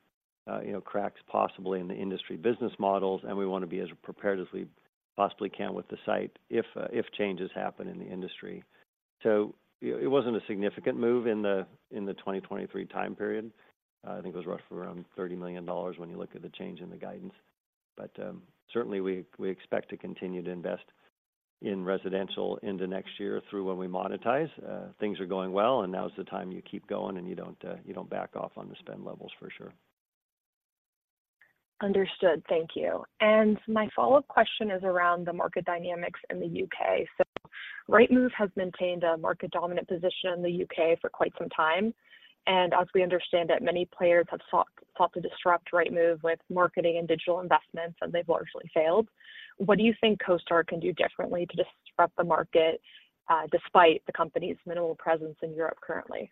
you know, cracks possibly in the industry business models, and we wanna be as prepared as we possibly can with the site if changes happen in the industry. So it wasn't a significant move in the 2023 time period. I think it was roughly around $30 million when you look at the change in the guidance. But, certainly we expect to continue to invest in residential into next year through when we monetize. Things are going well, and now is the time you keep going, and you don't back off on the spend levels, for sure. Understood. Thank you. My follow-up question is around the market dynamics in the U.K. So Rightmove has maintained a market-dominant position in the U.K. for quite some time, and as we understand it, many players have sought to disrupt Rightmove with marketing and digital investments, and they've largely failed. What do you think CoStar can do differently to disrupt the market, despite the company's minimal presence in Europe currently?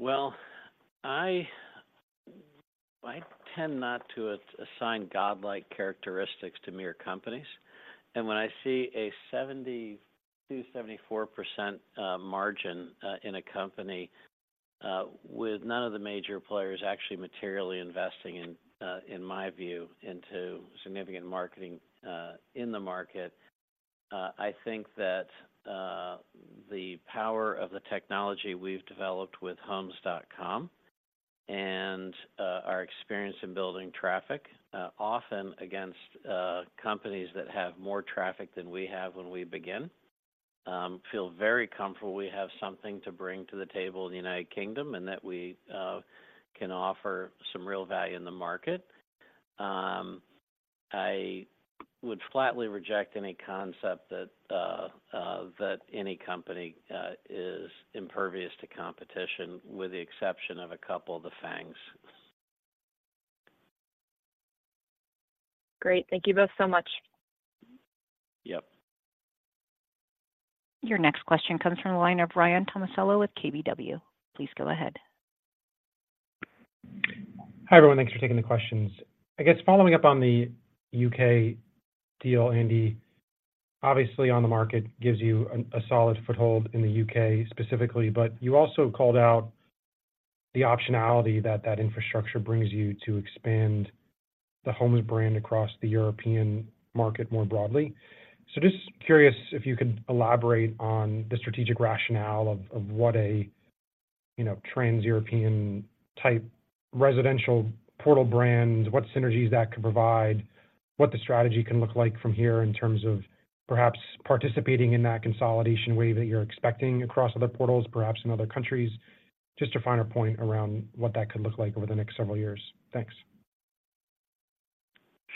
Well, I tend not to assign godlike characteristics to mere companies. When I see a 70%-74% margin in a company with none of the major players actually materially investing, in my view, into significant marketing in the market, I think that the power of the technology we've developed with Homes.com and our experience in building traffic, often against companies that have more traffic than we have when we begin, feel very comfortable we have something to bring to the table in the United Kingdom, and that we can offer some real value in the market. I would flatly reject any concept that any company is impervious to competition, with the exception of a couple of the FAANGs. Great. Thank you both so much. Yep. Your next question comes from the line of Ryan Tomasello with KBW. Please go ahead. Hi, everyone. Thanks for taking the questions. I guess following up on the U.K. deal, OnTheMarket gives you a solid foothold in the U.K. specifically, but you also called out the optionality that that infrastructure brings you to expand the Homes brand across the European market more broadly. So just curious if you could elaborate on the strategic rationale of what a, you know, trans-European type residential portal brand, what synergies that could provide, what the strategy can look like from here in terms of perhaps participating in that consolidation wave that you're expecting across other portals, perhaps in other countries? Just to find a point around what that could look like over the next several years. Thanks.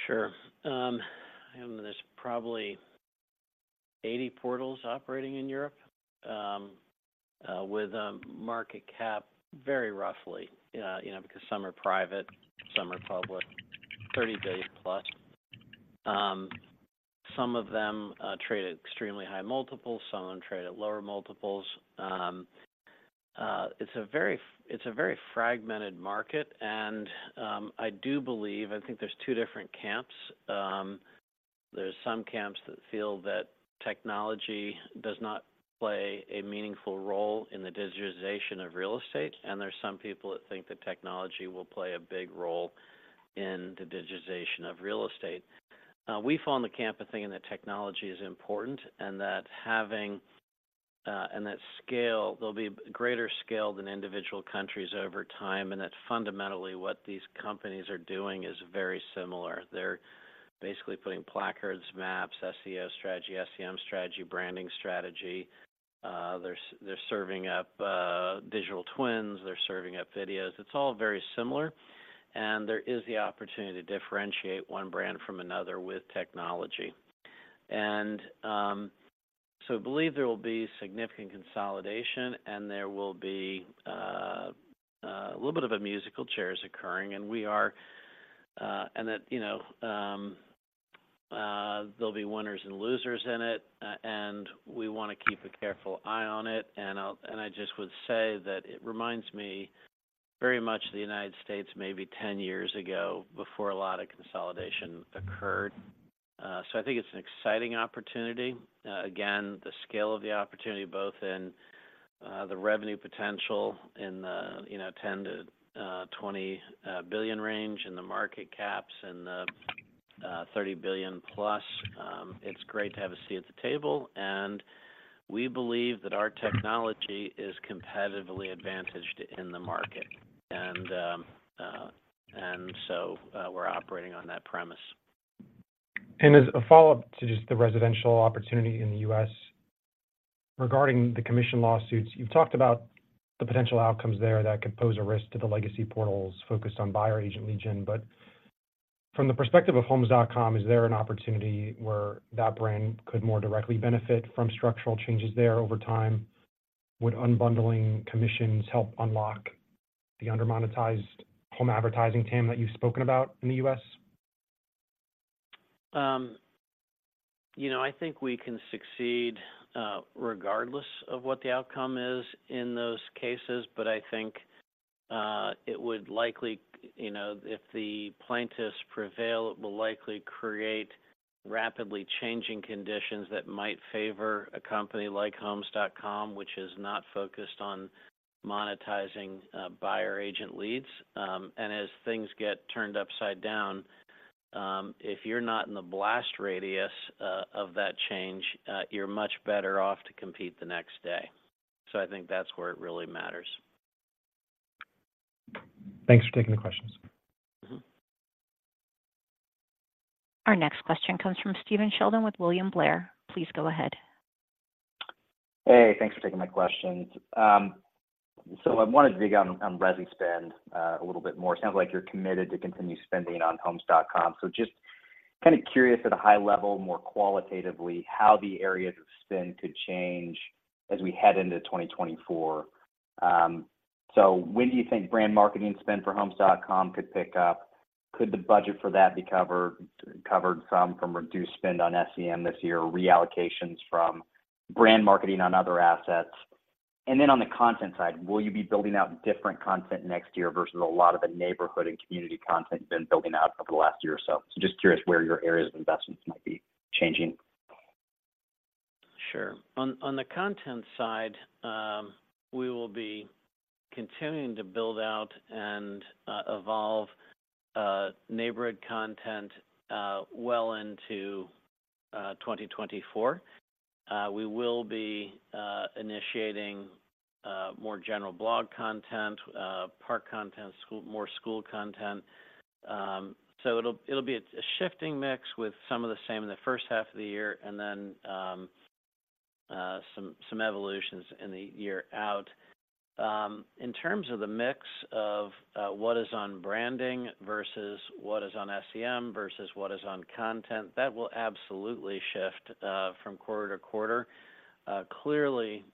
Sure. There's probably 80 portals operating in Europe, with a market cap, very roughly, you know, because some are private, some are public, $30 billion+. Some of them trade at extremely high multiples, some of them trade at lower multiples. It's a very fragmented market, and, I do believe... I think there's two different camps. There's some camps that feel that technology does not play a meaningful role in the digitization of real estate, and there's some people that think that technology will play a big role in the digitization of real estate. We fall in the camp of thinking that technology is important, and that having, and that scale- there'll be greater scale than individual countries over time, and that fundamentally what these companies are doing is very similar. They're basically putting placards, maps, SEO strategy, SEM strategy, branding strategy. They're serving up digital twins. They're serving up videos. It's all very similar, and there is the opportunity to differentiate one brand from another with technology. So I believe there will be significant consolidation, and there will be a little bit of a musical chairs occurring, and we are... And that, you know, there'll be winners and losers in it, and we wanna keep a careful eye on it. And I just would say that it reminds me very much of the United States, maybe 10 years ago, before a lot of consolidation occurred. So I think it's an exciting opportunity. Again, the scale of the opportunity, both in the revenue potential in the, you know, $10billion-$20 billion range, and the market caps and the $30 billion+, it's great to have a seat at the table, and we believe that our technology is competitively advantaged in the market. And so, we're operating on that premise. As a follow-up to just the residential opportunity in the U.S., regarding the commission lawsuits, you've talked about the potential outcomes there that could pose a risk to the legacy portals focused on buyer agent lead gen. From the perspective of Homes.com, is there an opportunity where that brand could more directly benefit from structural changes there over time? Would unbundling commissions help unlock the under-monetized home advertising TAM that you've spoken about in the U.S.? You know, I think we can succeed, regardless of what the outcome is in those cases. But I think, it would likely, you know, if the plaintiffs prevail, it will likely create rapidly changing conditions that might favor a company like Homes.com, which is not focused on monetizing, buyer agent leads. And as things get turned upside down, if you're not in the blast radius, of that change, you're much better off to compete the next day. So I think that's where it really matters. Thanks for taking the questions. Mm-hmm. Our next question comes from Stephen Sheldon with William Blair. Please go ahead. Hey, thanks for taking my questions. So I wanted to dig on resi spend a little bit more. Sounds like you're committed to continue spending on Homes.com. So just kind of curious at a high level, more qualitatively, how the areas of spend could change as we head into 2024. So when do you think brand marketing spend for Homes.com could pick up? Could the budget for that be covered from reduced spend on SEM this year, or reallocations from brand marketing on other assets? And then on the content side, will you be building out different content next year versus a lot of the neighborhood and community content you've been building out over the last year or so? So just curious where your areas of investments might be changing. Sure. On the content side, we will be continuing to build out and evolve neighborhood content well into 2024. We will be initiating more general blog content, park content, school – more school content. So it'll be a shifting mix with some of the same in the first half of the year, and then some evolutions in the year out. In terms of the mix of what is on branding versus what is on SEM versus what is on content, that will absolutely shift from quarter to quarter. Clearly,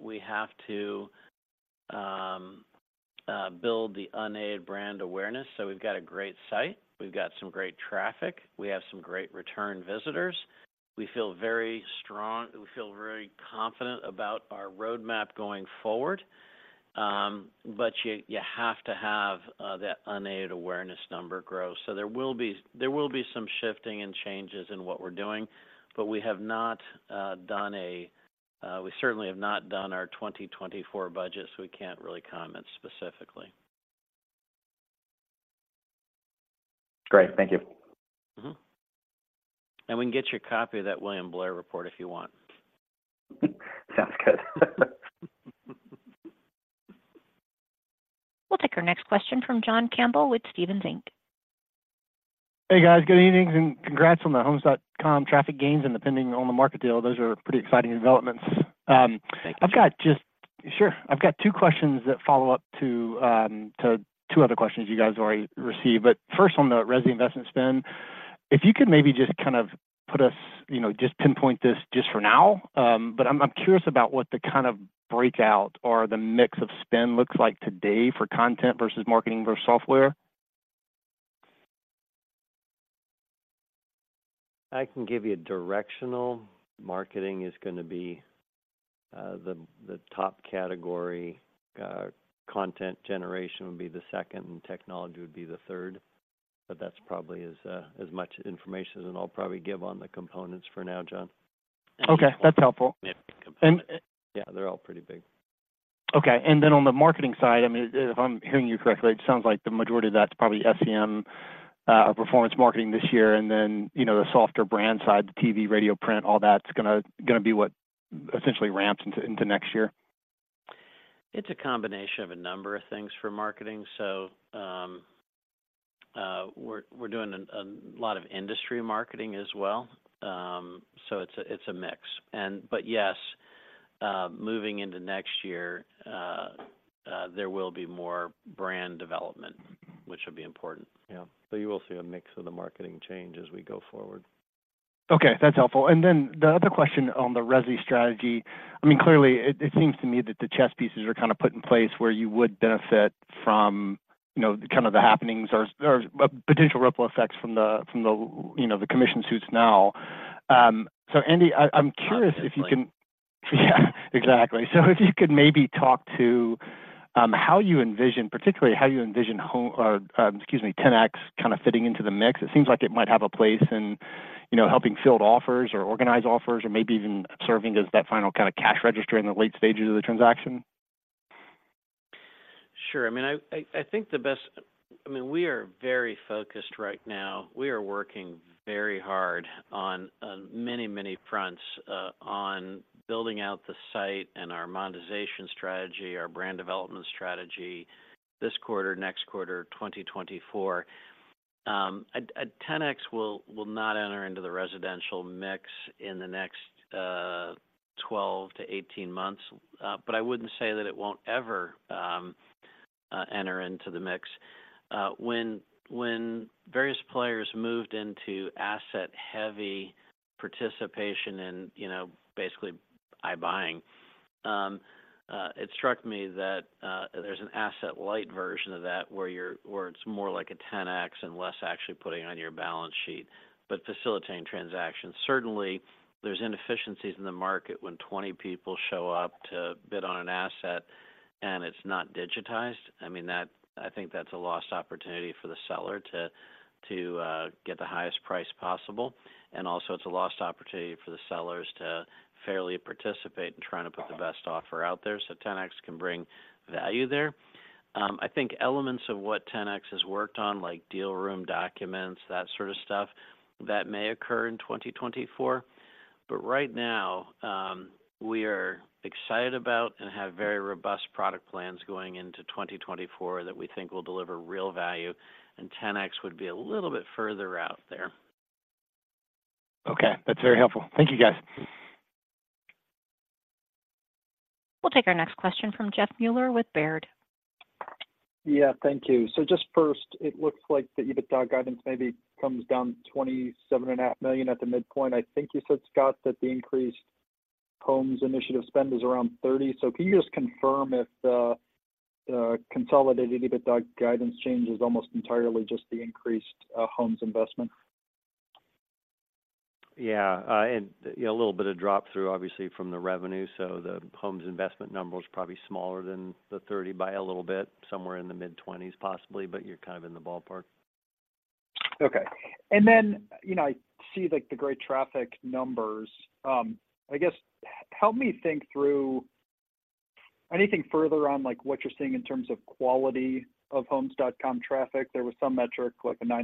we have to build the unaided brand awareness. So we've got a great site, we've got some great traffic, we have some great return visitors. We feel very strong. We feel very confident about our roadmap going forward. But you, you have to have that unaided awareness number grow. So there will be, there will be some shifting and changes in what we're doing, but we have not done a—we certainly have not done our 2024 budget, so we can't really comment specifically. Great. Thank you. Mm-hmm. And we can get you a copy of that William Blair report if you want. Sounds good. We'll take our next question from John Campbell with Stephens Inc. Hey, guys. Good evening, and congrats on the Homes.com traffic gains and the pending OnTheMarket deal. Those are pretty exciting developments. Thank you. I've got two questions that follow up to two other questions you guys already received. But first, on the resi investment spend, if you could maybe just kind of put us, you know, just pinpoint this just for now. But I'm curious about what the kind of breakout or the mix of spend looks like today for content versus marketing versus software. I can give you a directional. Marketing is gonna be the top category, content generation would be the second, and technology would be the third. But that's probably as much information as I'll probably give on the components for now, John. Okay, that's helpful. Yeah, they're all pretty big. Okay. And then OnTheMarketing side, I mean, if I'm hearing you correctly, it sounds like the majority of that's probably SEM or performance marketing this year, and then, you know, the softer brand side, the TV, radio, print, all that's gonna be what essentially ramps into next year? It's a combination of a number of things for marketing. So, we're doing a lot of industry marketing as well. So it's a mix. But yes, there will be more brand development, which will be important. Yeah. So you will see a mix of the marketing change as we go forward. Okay, that's helpful. And then the other question on the resi strategy, I mean, clearly, it seems to me that the chess pieces are kind of put in place where you would benefit from, you know, kind of the happenings or potential ripple effects from the, you know, the commission suits now. So Andy, I'm curious if you can- Yeah. Exactly. So if you could maybe talk to how you envision, particularly how you envision or excuse me Ten-X kind of fitting into the mix. It seems like it might have a place in, you know, helping field offers or organize offers, or maybe even serving as that final kind of cash register in the late stages of the transaction. Sure. I mean, I think the best—I mean, we are very focused right now. We are working very hard on many fronts on building out the site and our monetization strategy, our brand development strategy, this quarter, next quarter, 2024. Ten-X will not enter into the residential mix in the next 12 months-18 months, but I wouldn't say that it won't ever enter into the mix. When various players moved into asset-heavy participation in, you know, basically iBuying, it struck me that there's an asset-light version of that, where it's more like a Ten-X and less actually putting on your balance sheet, but facilitating transactions. Certainly, there's inefficiencies in the market when 20 people show up to bid on an asset and it's not digitized. I mean, I think that's a lost opportunity for the seller to get the highest price possible, and also it's a lost opportunity for the sellers to fairly participate in trying to put the best offer out there. So Ten-X can bring value there. I think elements of what Ten-X has worked on, like deal room documents, that sort of stuff, that may occur in 2024. But right now, we are excited about and have very robust product plans going into 2024 that we think will deliver real value, and Ten-X would be a little bit further out there. Okay, that's very helpful. Thank you, guys. We'll take our next question from Jeff Meuler with Baird. Yeah, thank you. So just first, it looks like the EBITDA guidance maybe comes down $27.5 million at the midpoint. I think you said, Scott, that the increased Homes initiative spend is around $30 million. So can you just confirm if the consolidated EBITDA guidance change is almost entirely just the increased Homes investment? Yeah, and, you know, a little bit of drop through obviously from the revenue, so the Homes investment number is probably smaller than the $30 by a little bit, somewhere in the mid-$20s, possibly, but you're kind of in the ballpark. Okay. And then, you know, I see, like, the great traffic numbers. I guess, help me think through anything further on, like, what you're seeing in terms of quality of Homes.com traffic. There was some metric, like a 900%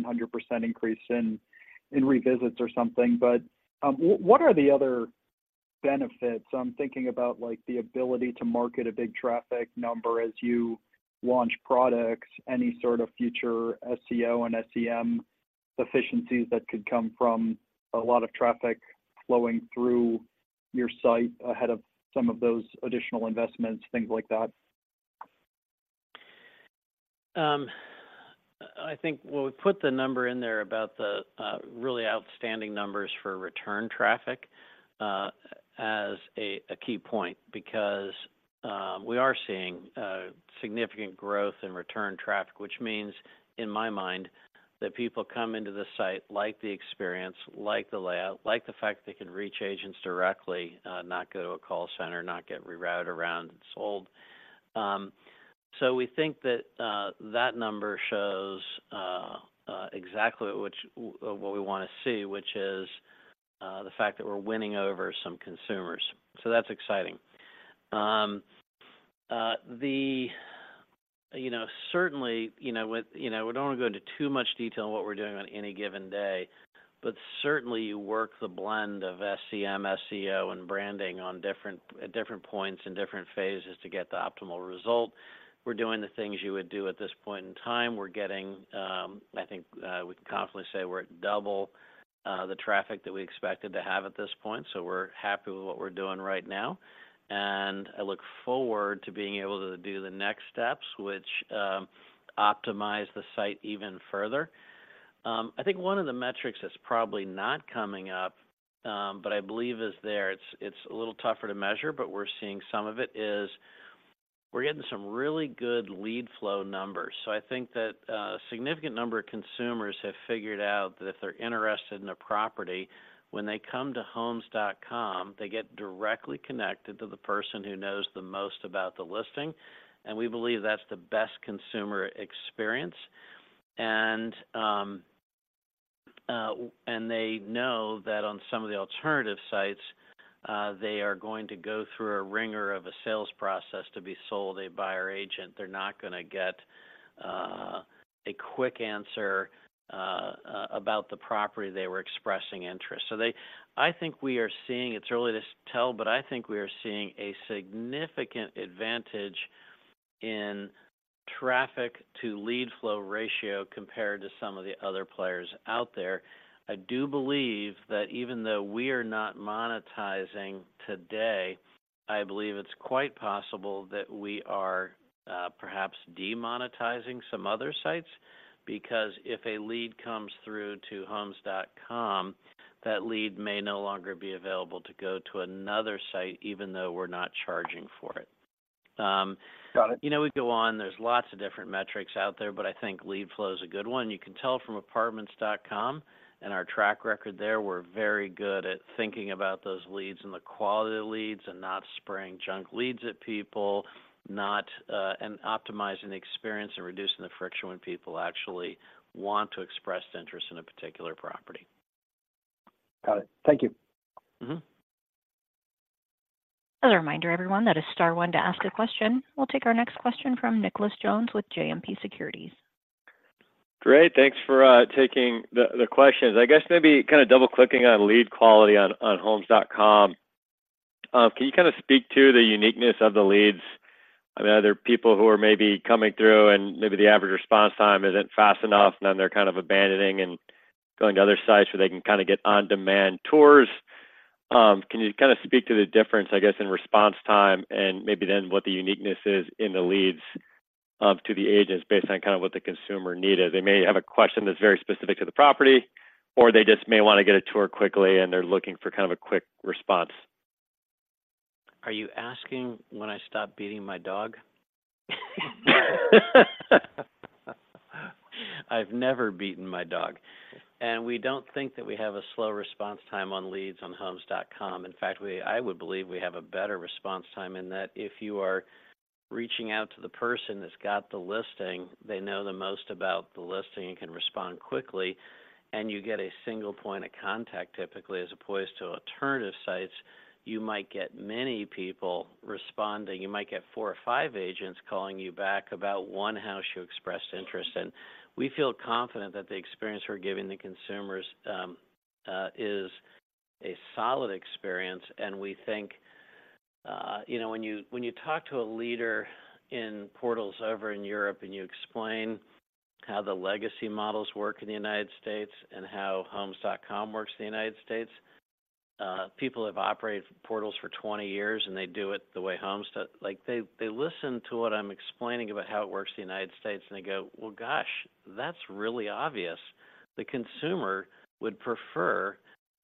increase in revisits or something, but what are the other benefits? I'm thinking about, like, the ability to market a big traffic number as you launch products, any sort of future SEO and SEM efficiencies that could come from a lot of traffic flowing through your site ahead of some of those additional investments, things like that. I think when we put the number in there about the, really outstanding numbers for return traffic, as a key point, because we are seeing significant growth in return traffic, which means, in my mind, that people come into the site, like the experience, like the layout, like the fact they can reach agents directly, not go to a call center, not get rerouted around and sold. So we think that that number shows exactly what we want to see, which is the fact that we're winning over some consumers. So that's exciting. The... You know, certainly, you know, we don't want to go into too much detail on what we're doing on any given day, but certainly you work the blend of SEM, SEO, and branding at different points and different phases to get the optimal result. We're doing the things you would do at this point in time. We're getting, I think, we can confidently say we're at double the traffic that we expected to have at this point, so we're happy with what we're doing right now. I look forward to being able to do the next steps, which optimize the site even further. I think one of the metrics that's probably not coming up, but I believe is there, it's a little tougher to measure, but we're seeing some of it, is we're getting some really good lead flow numbers. So I think that a significant number of consumers have figured out that if they're interested in a property, when they come to Homes.com, they get directly connected to the person who knows the most about the listing, and we believe that's the best consumer experience. And they know that on some of the alternative sites, they are going to go through a ringer of a sales process to be sold a buyer agent. They're not gonna get a quick answer about the property they were expressing interest. I think we are seeing. It's early to tell, but I think we are seeing a significant advantage in traffic to lead flow ratio compared to some of the other players out there. I do believe that even though we are not monetizing today, I believe it's quite possible that we are perhaps demonetizing some other sites, because if a lead comes through to Homes.com, that lead may no longer be available to go to another site, even though we're not charging for it. Got it. You know, we go on, there's lots of different metrics out there, but I think lead flow is a good one. You can tell from Apartments.com and our track record there, we're very good at thinking about those leads and the quality of the leads and not spraying junk leads at people, not and optimizing the experience and reducing the friction when people actually want to express interest in a particular property. Got it. Thank you. Mm-hmm. Another reminder, everyone, that is star one to ask a question. We'll take our next question from Nicholas Jones with JMP Securities. Great, thanks for taking the questions. I guess maybe kind of double-clicking on lead quality on Homes.com. Can you kind of speak to the uniqueness of the leads? ... I mean, are there people who are maybe coming through and maybe the average response time isn't fast enough, and then they're kind of abandoning and going to other sites where they can kinda get on-demand tours? Can you kinda speak to the difference, I guess, in response time, and maybe then what the uniqueness is in the leads to the agents, based on kind of what the consumer needed? They may have a question that's very specific to the property, or they just may wanna get a tour quickly, and they're looking for kind of a quick response. Are you asking when I stopped beating my dog? I've never beaten my dog. We don't think that we have a slow response time on leads on Homes.com. In fact, I would believe we have a better response time, in that if you are reaching out to the person that's got the listing, they know the most about the listing and can respond quickly, and you get a single point of contact, typically, as opposed to alternative sites, you might get many people responding. You might get four or five agents calling you back about one house you expressed interest in. We feel confident that the experience we're giving the consumers is a solid experience, and we think... You know, when you talk to a leader in portals over in Europe, and you explain how the legacy models work in the United States and how Homes.com works in the United States, people have operated portals for 20 years, and they do it the way Homes do. Like, they listen to what I'm explaining about how it works in the United States, and they go, "Well, gosh, that's really obvious." The consumer would prefer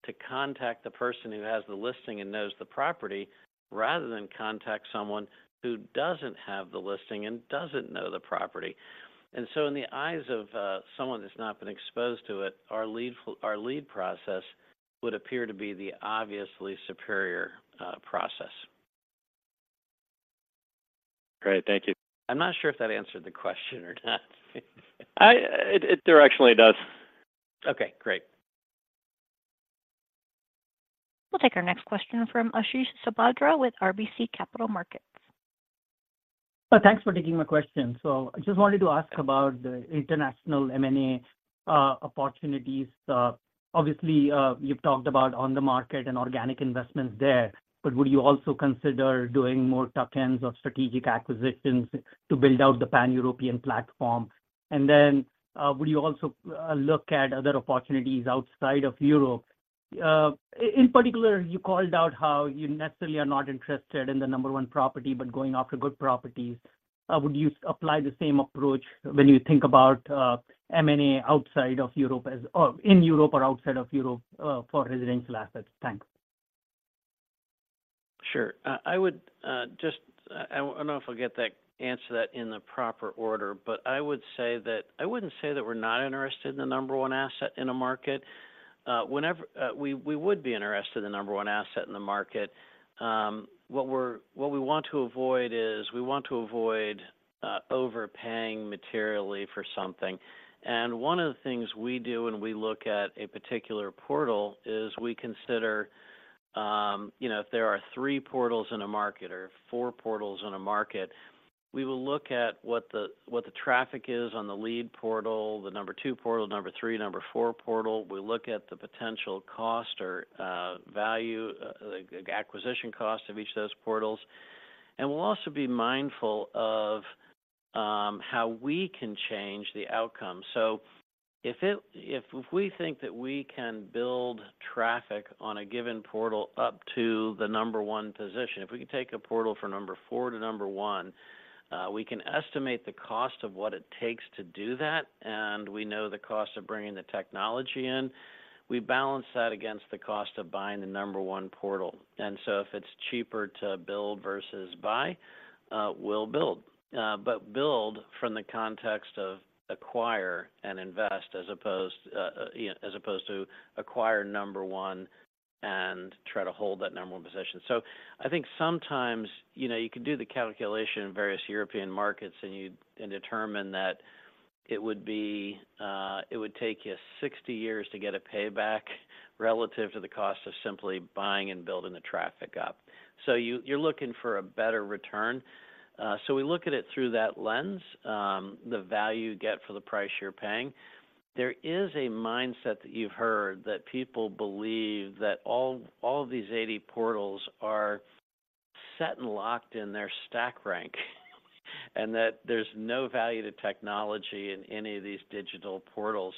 to contact the person who has the listing and knows the property, rather than contact someone who doesn't have the listing and doesn't know the property. And so, in the eyes of someone that's not been exposed to it, our lead process would appear to be the obviously superior process. Great. Thank you. I'm not sure if that answered the question or not. It directionally does. Okay, great. We'll take our next question from Ashish Sabadra with RBC Capital Markets. Thanks for taking my question. So I just wanted to ask about the international M&A, opportunities. Obviously, you've talked about OnTheMarket and organic investments there, but would you also consider doing more tuck-ins or strategic acquisitions to build out the Pan-European platform? And then, would you also look at other opportunities outside of Europe? In particular, you called out how you necessarily are not interested in the number one property, but going after good properties. Would you apply the same approach when you think about, M&A outside of Europe as... In Europe or outside of Europe, for residential assets? Thanks. Sure. I would just... I wonder if I'll get that answer that in the proper order, but I would say that I wouldn't say that we're not interested in the number one asset in a market. Whenever we would be interested in the number one asset in the market. What we're what we want to avoid is, we want to avoid overpaying materially for something. And one of the things we do when we look at a particular portal is, we consider, you know, if there are three portals in a market or four portals in a market, we will look at what the traffic is on the lead portal, the number two portal, number three, number four portal. We look at the potential cost or value, the acquisition cost of each of those portals, and we'll also be mindful of how we can change the outcome. So if we think that we can build traffic on a given portal up to the number one position, if we can take a portal from number four to number one, we can estimate the cost of what it takes to do that, and we know the cost of bringing the technology in. We balance that against the cost of buying the number one portal. And so if it's cheaper to build versus buy, we'll build. But build from the context of acquire and invest, as opposed, yeah, as opposed to acquire number one and try to hold that number one position. So I think sometimes, you know, you can do the calculation in various European markets, and you and determine that it would be, it would take you 60 years to get a payback relative to the cost of simply buying and building the traffic up. So you, you're looking for a better return, so we look at it through that lens, the value you get for the price you're paying. There is a mindset that you've heard, that people believe that all, all of these 80 portals are set and locked in their stack rank, and that there's no value to technology in any of these digital portals.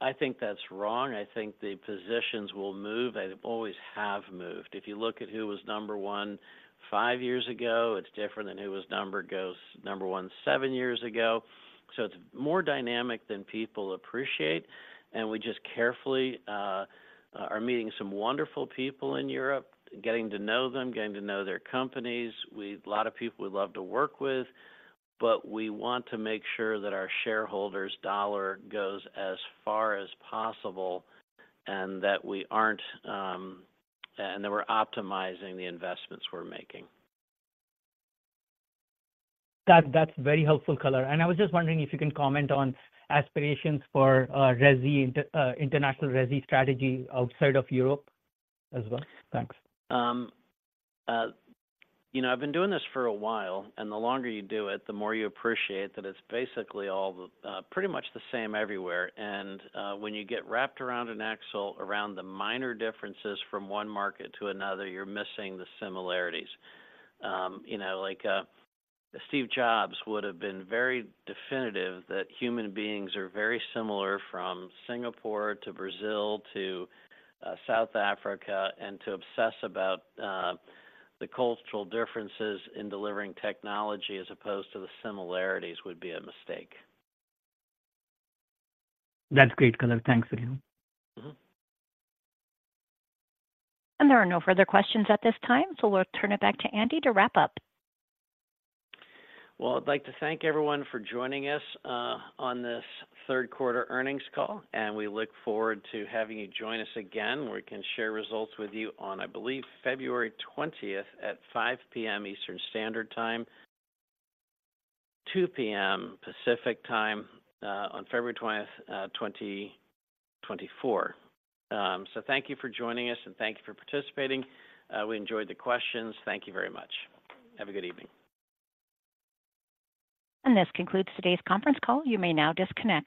I think that's wrong, and I think the positions will move, they always have moved. If you look at who was number one five years ago, it's different than who was number one seven years ago. So it's more dynamic than people appreciate, and we just carefully are meeting some wonderful people in Europe, getting to know them, getting to know their companies. Lot of people we love to work with, but we want to make sure that our shareholders' dollar goes as far as possible and that we aren't, and that we're optimizing the investments we're making. That, that's very helpful color. And I was just wondering if you can comment on aspirations for, resi, international resi strategy outside of Europe as well. Thanks. You know, I've been doing this for a while, and the longer you do it, the more you appreciate that it's basically all the, pretty much the same everywhere. When you get wrapped around an axle around the minor differences from one market to another, you're missing the similarities. You know, like, Steve Jobs would have been very definitive that human beings are very similar, from Singapore to Brazil to South Africa, and to obsess about the cultural differences in delivering technology, as opposed to the similarities, would be a mistake. That's great, Andy. Thanks again. Mm-hmm. There are no further questions at this time, so we'll turn it back to Andy to wrap up. Well, I'd like to thank everyone for joining us on this third quarter earnings call, and we look forward to having you join us again, where we can share results with you on, I believe, February 20 at 5:00 P.M. Eastern Standard Time, 2:00 P.M. Pacific Time on February 20, 2024. So thank you for joining us, and thank you for participating. We enjoyed the questions. Thank you very much. Have a good evening. This concludes today's conference call. You may now disconnect.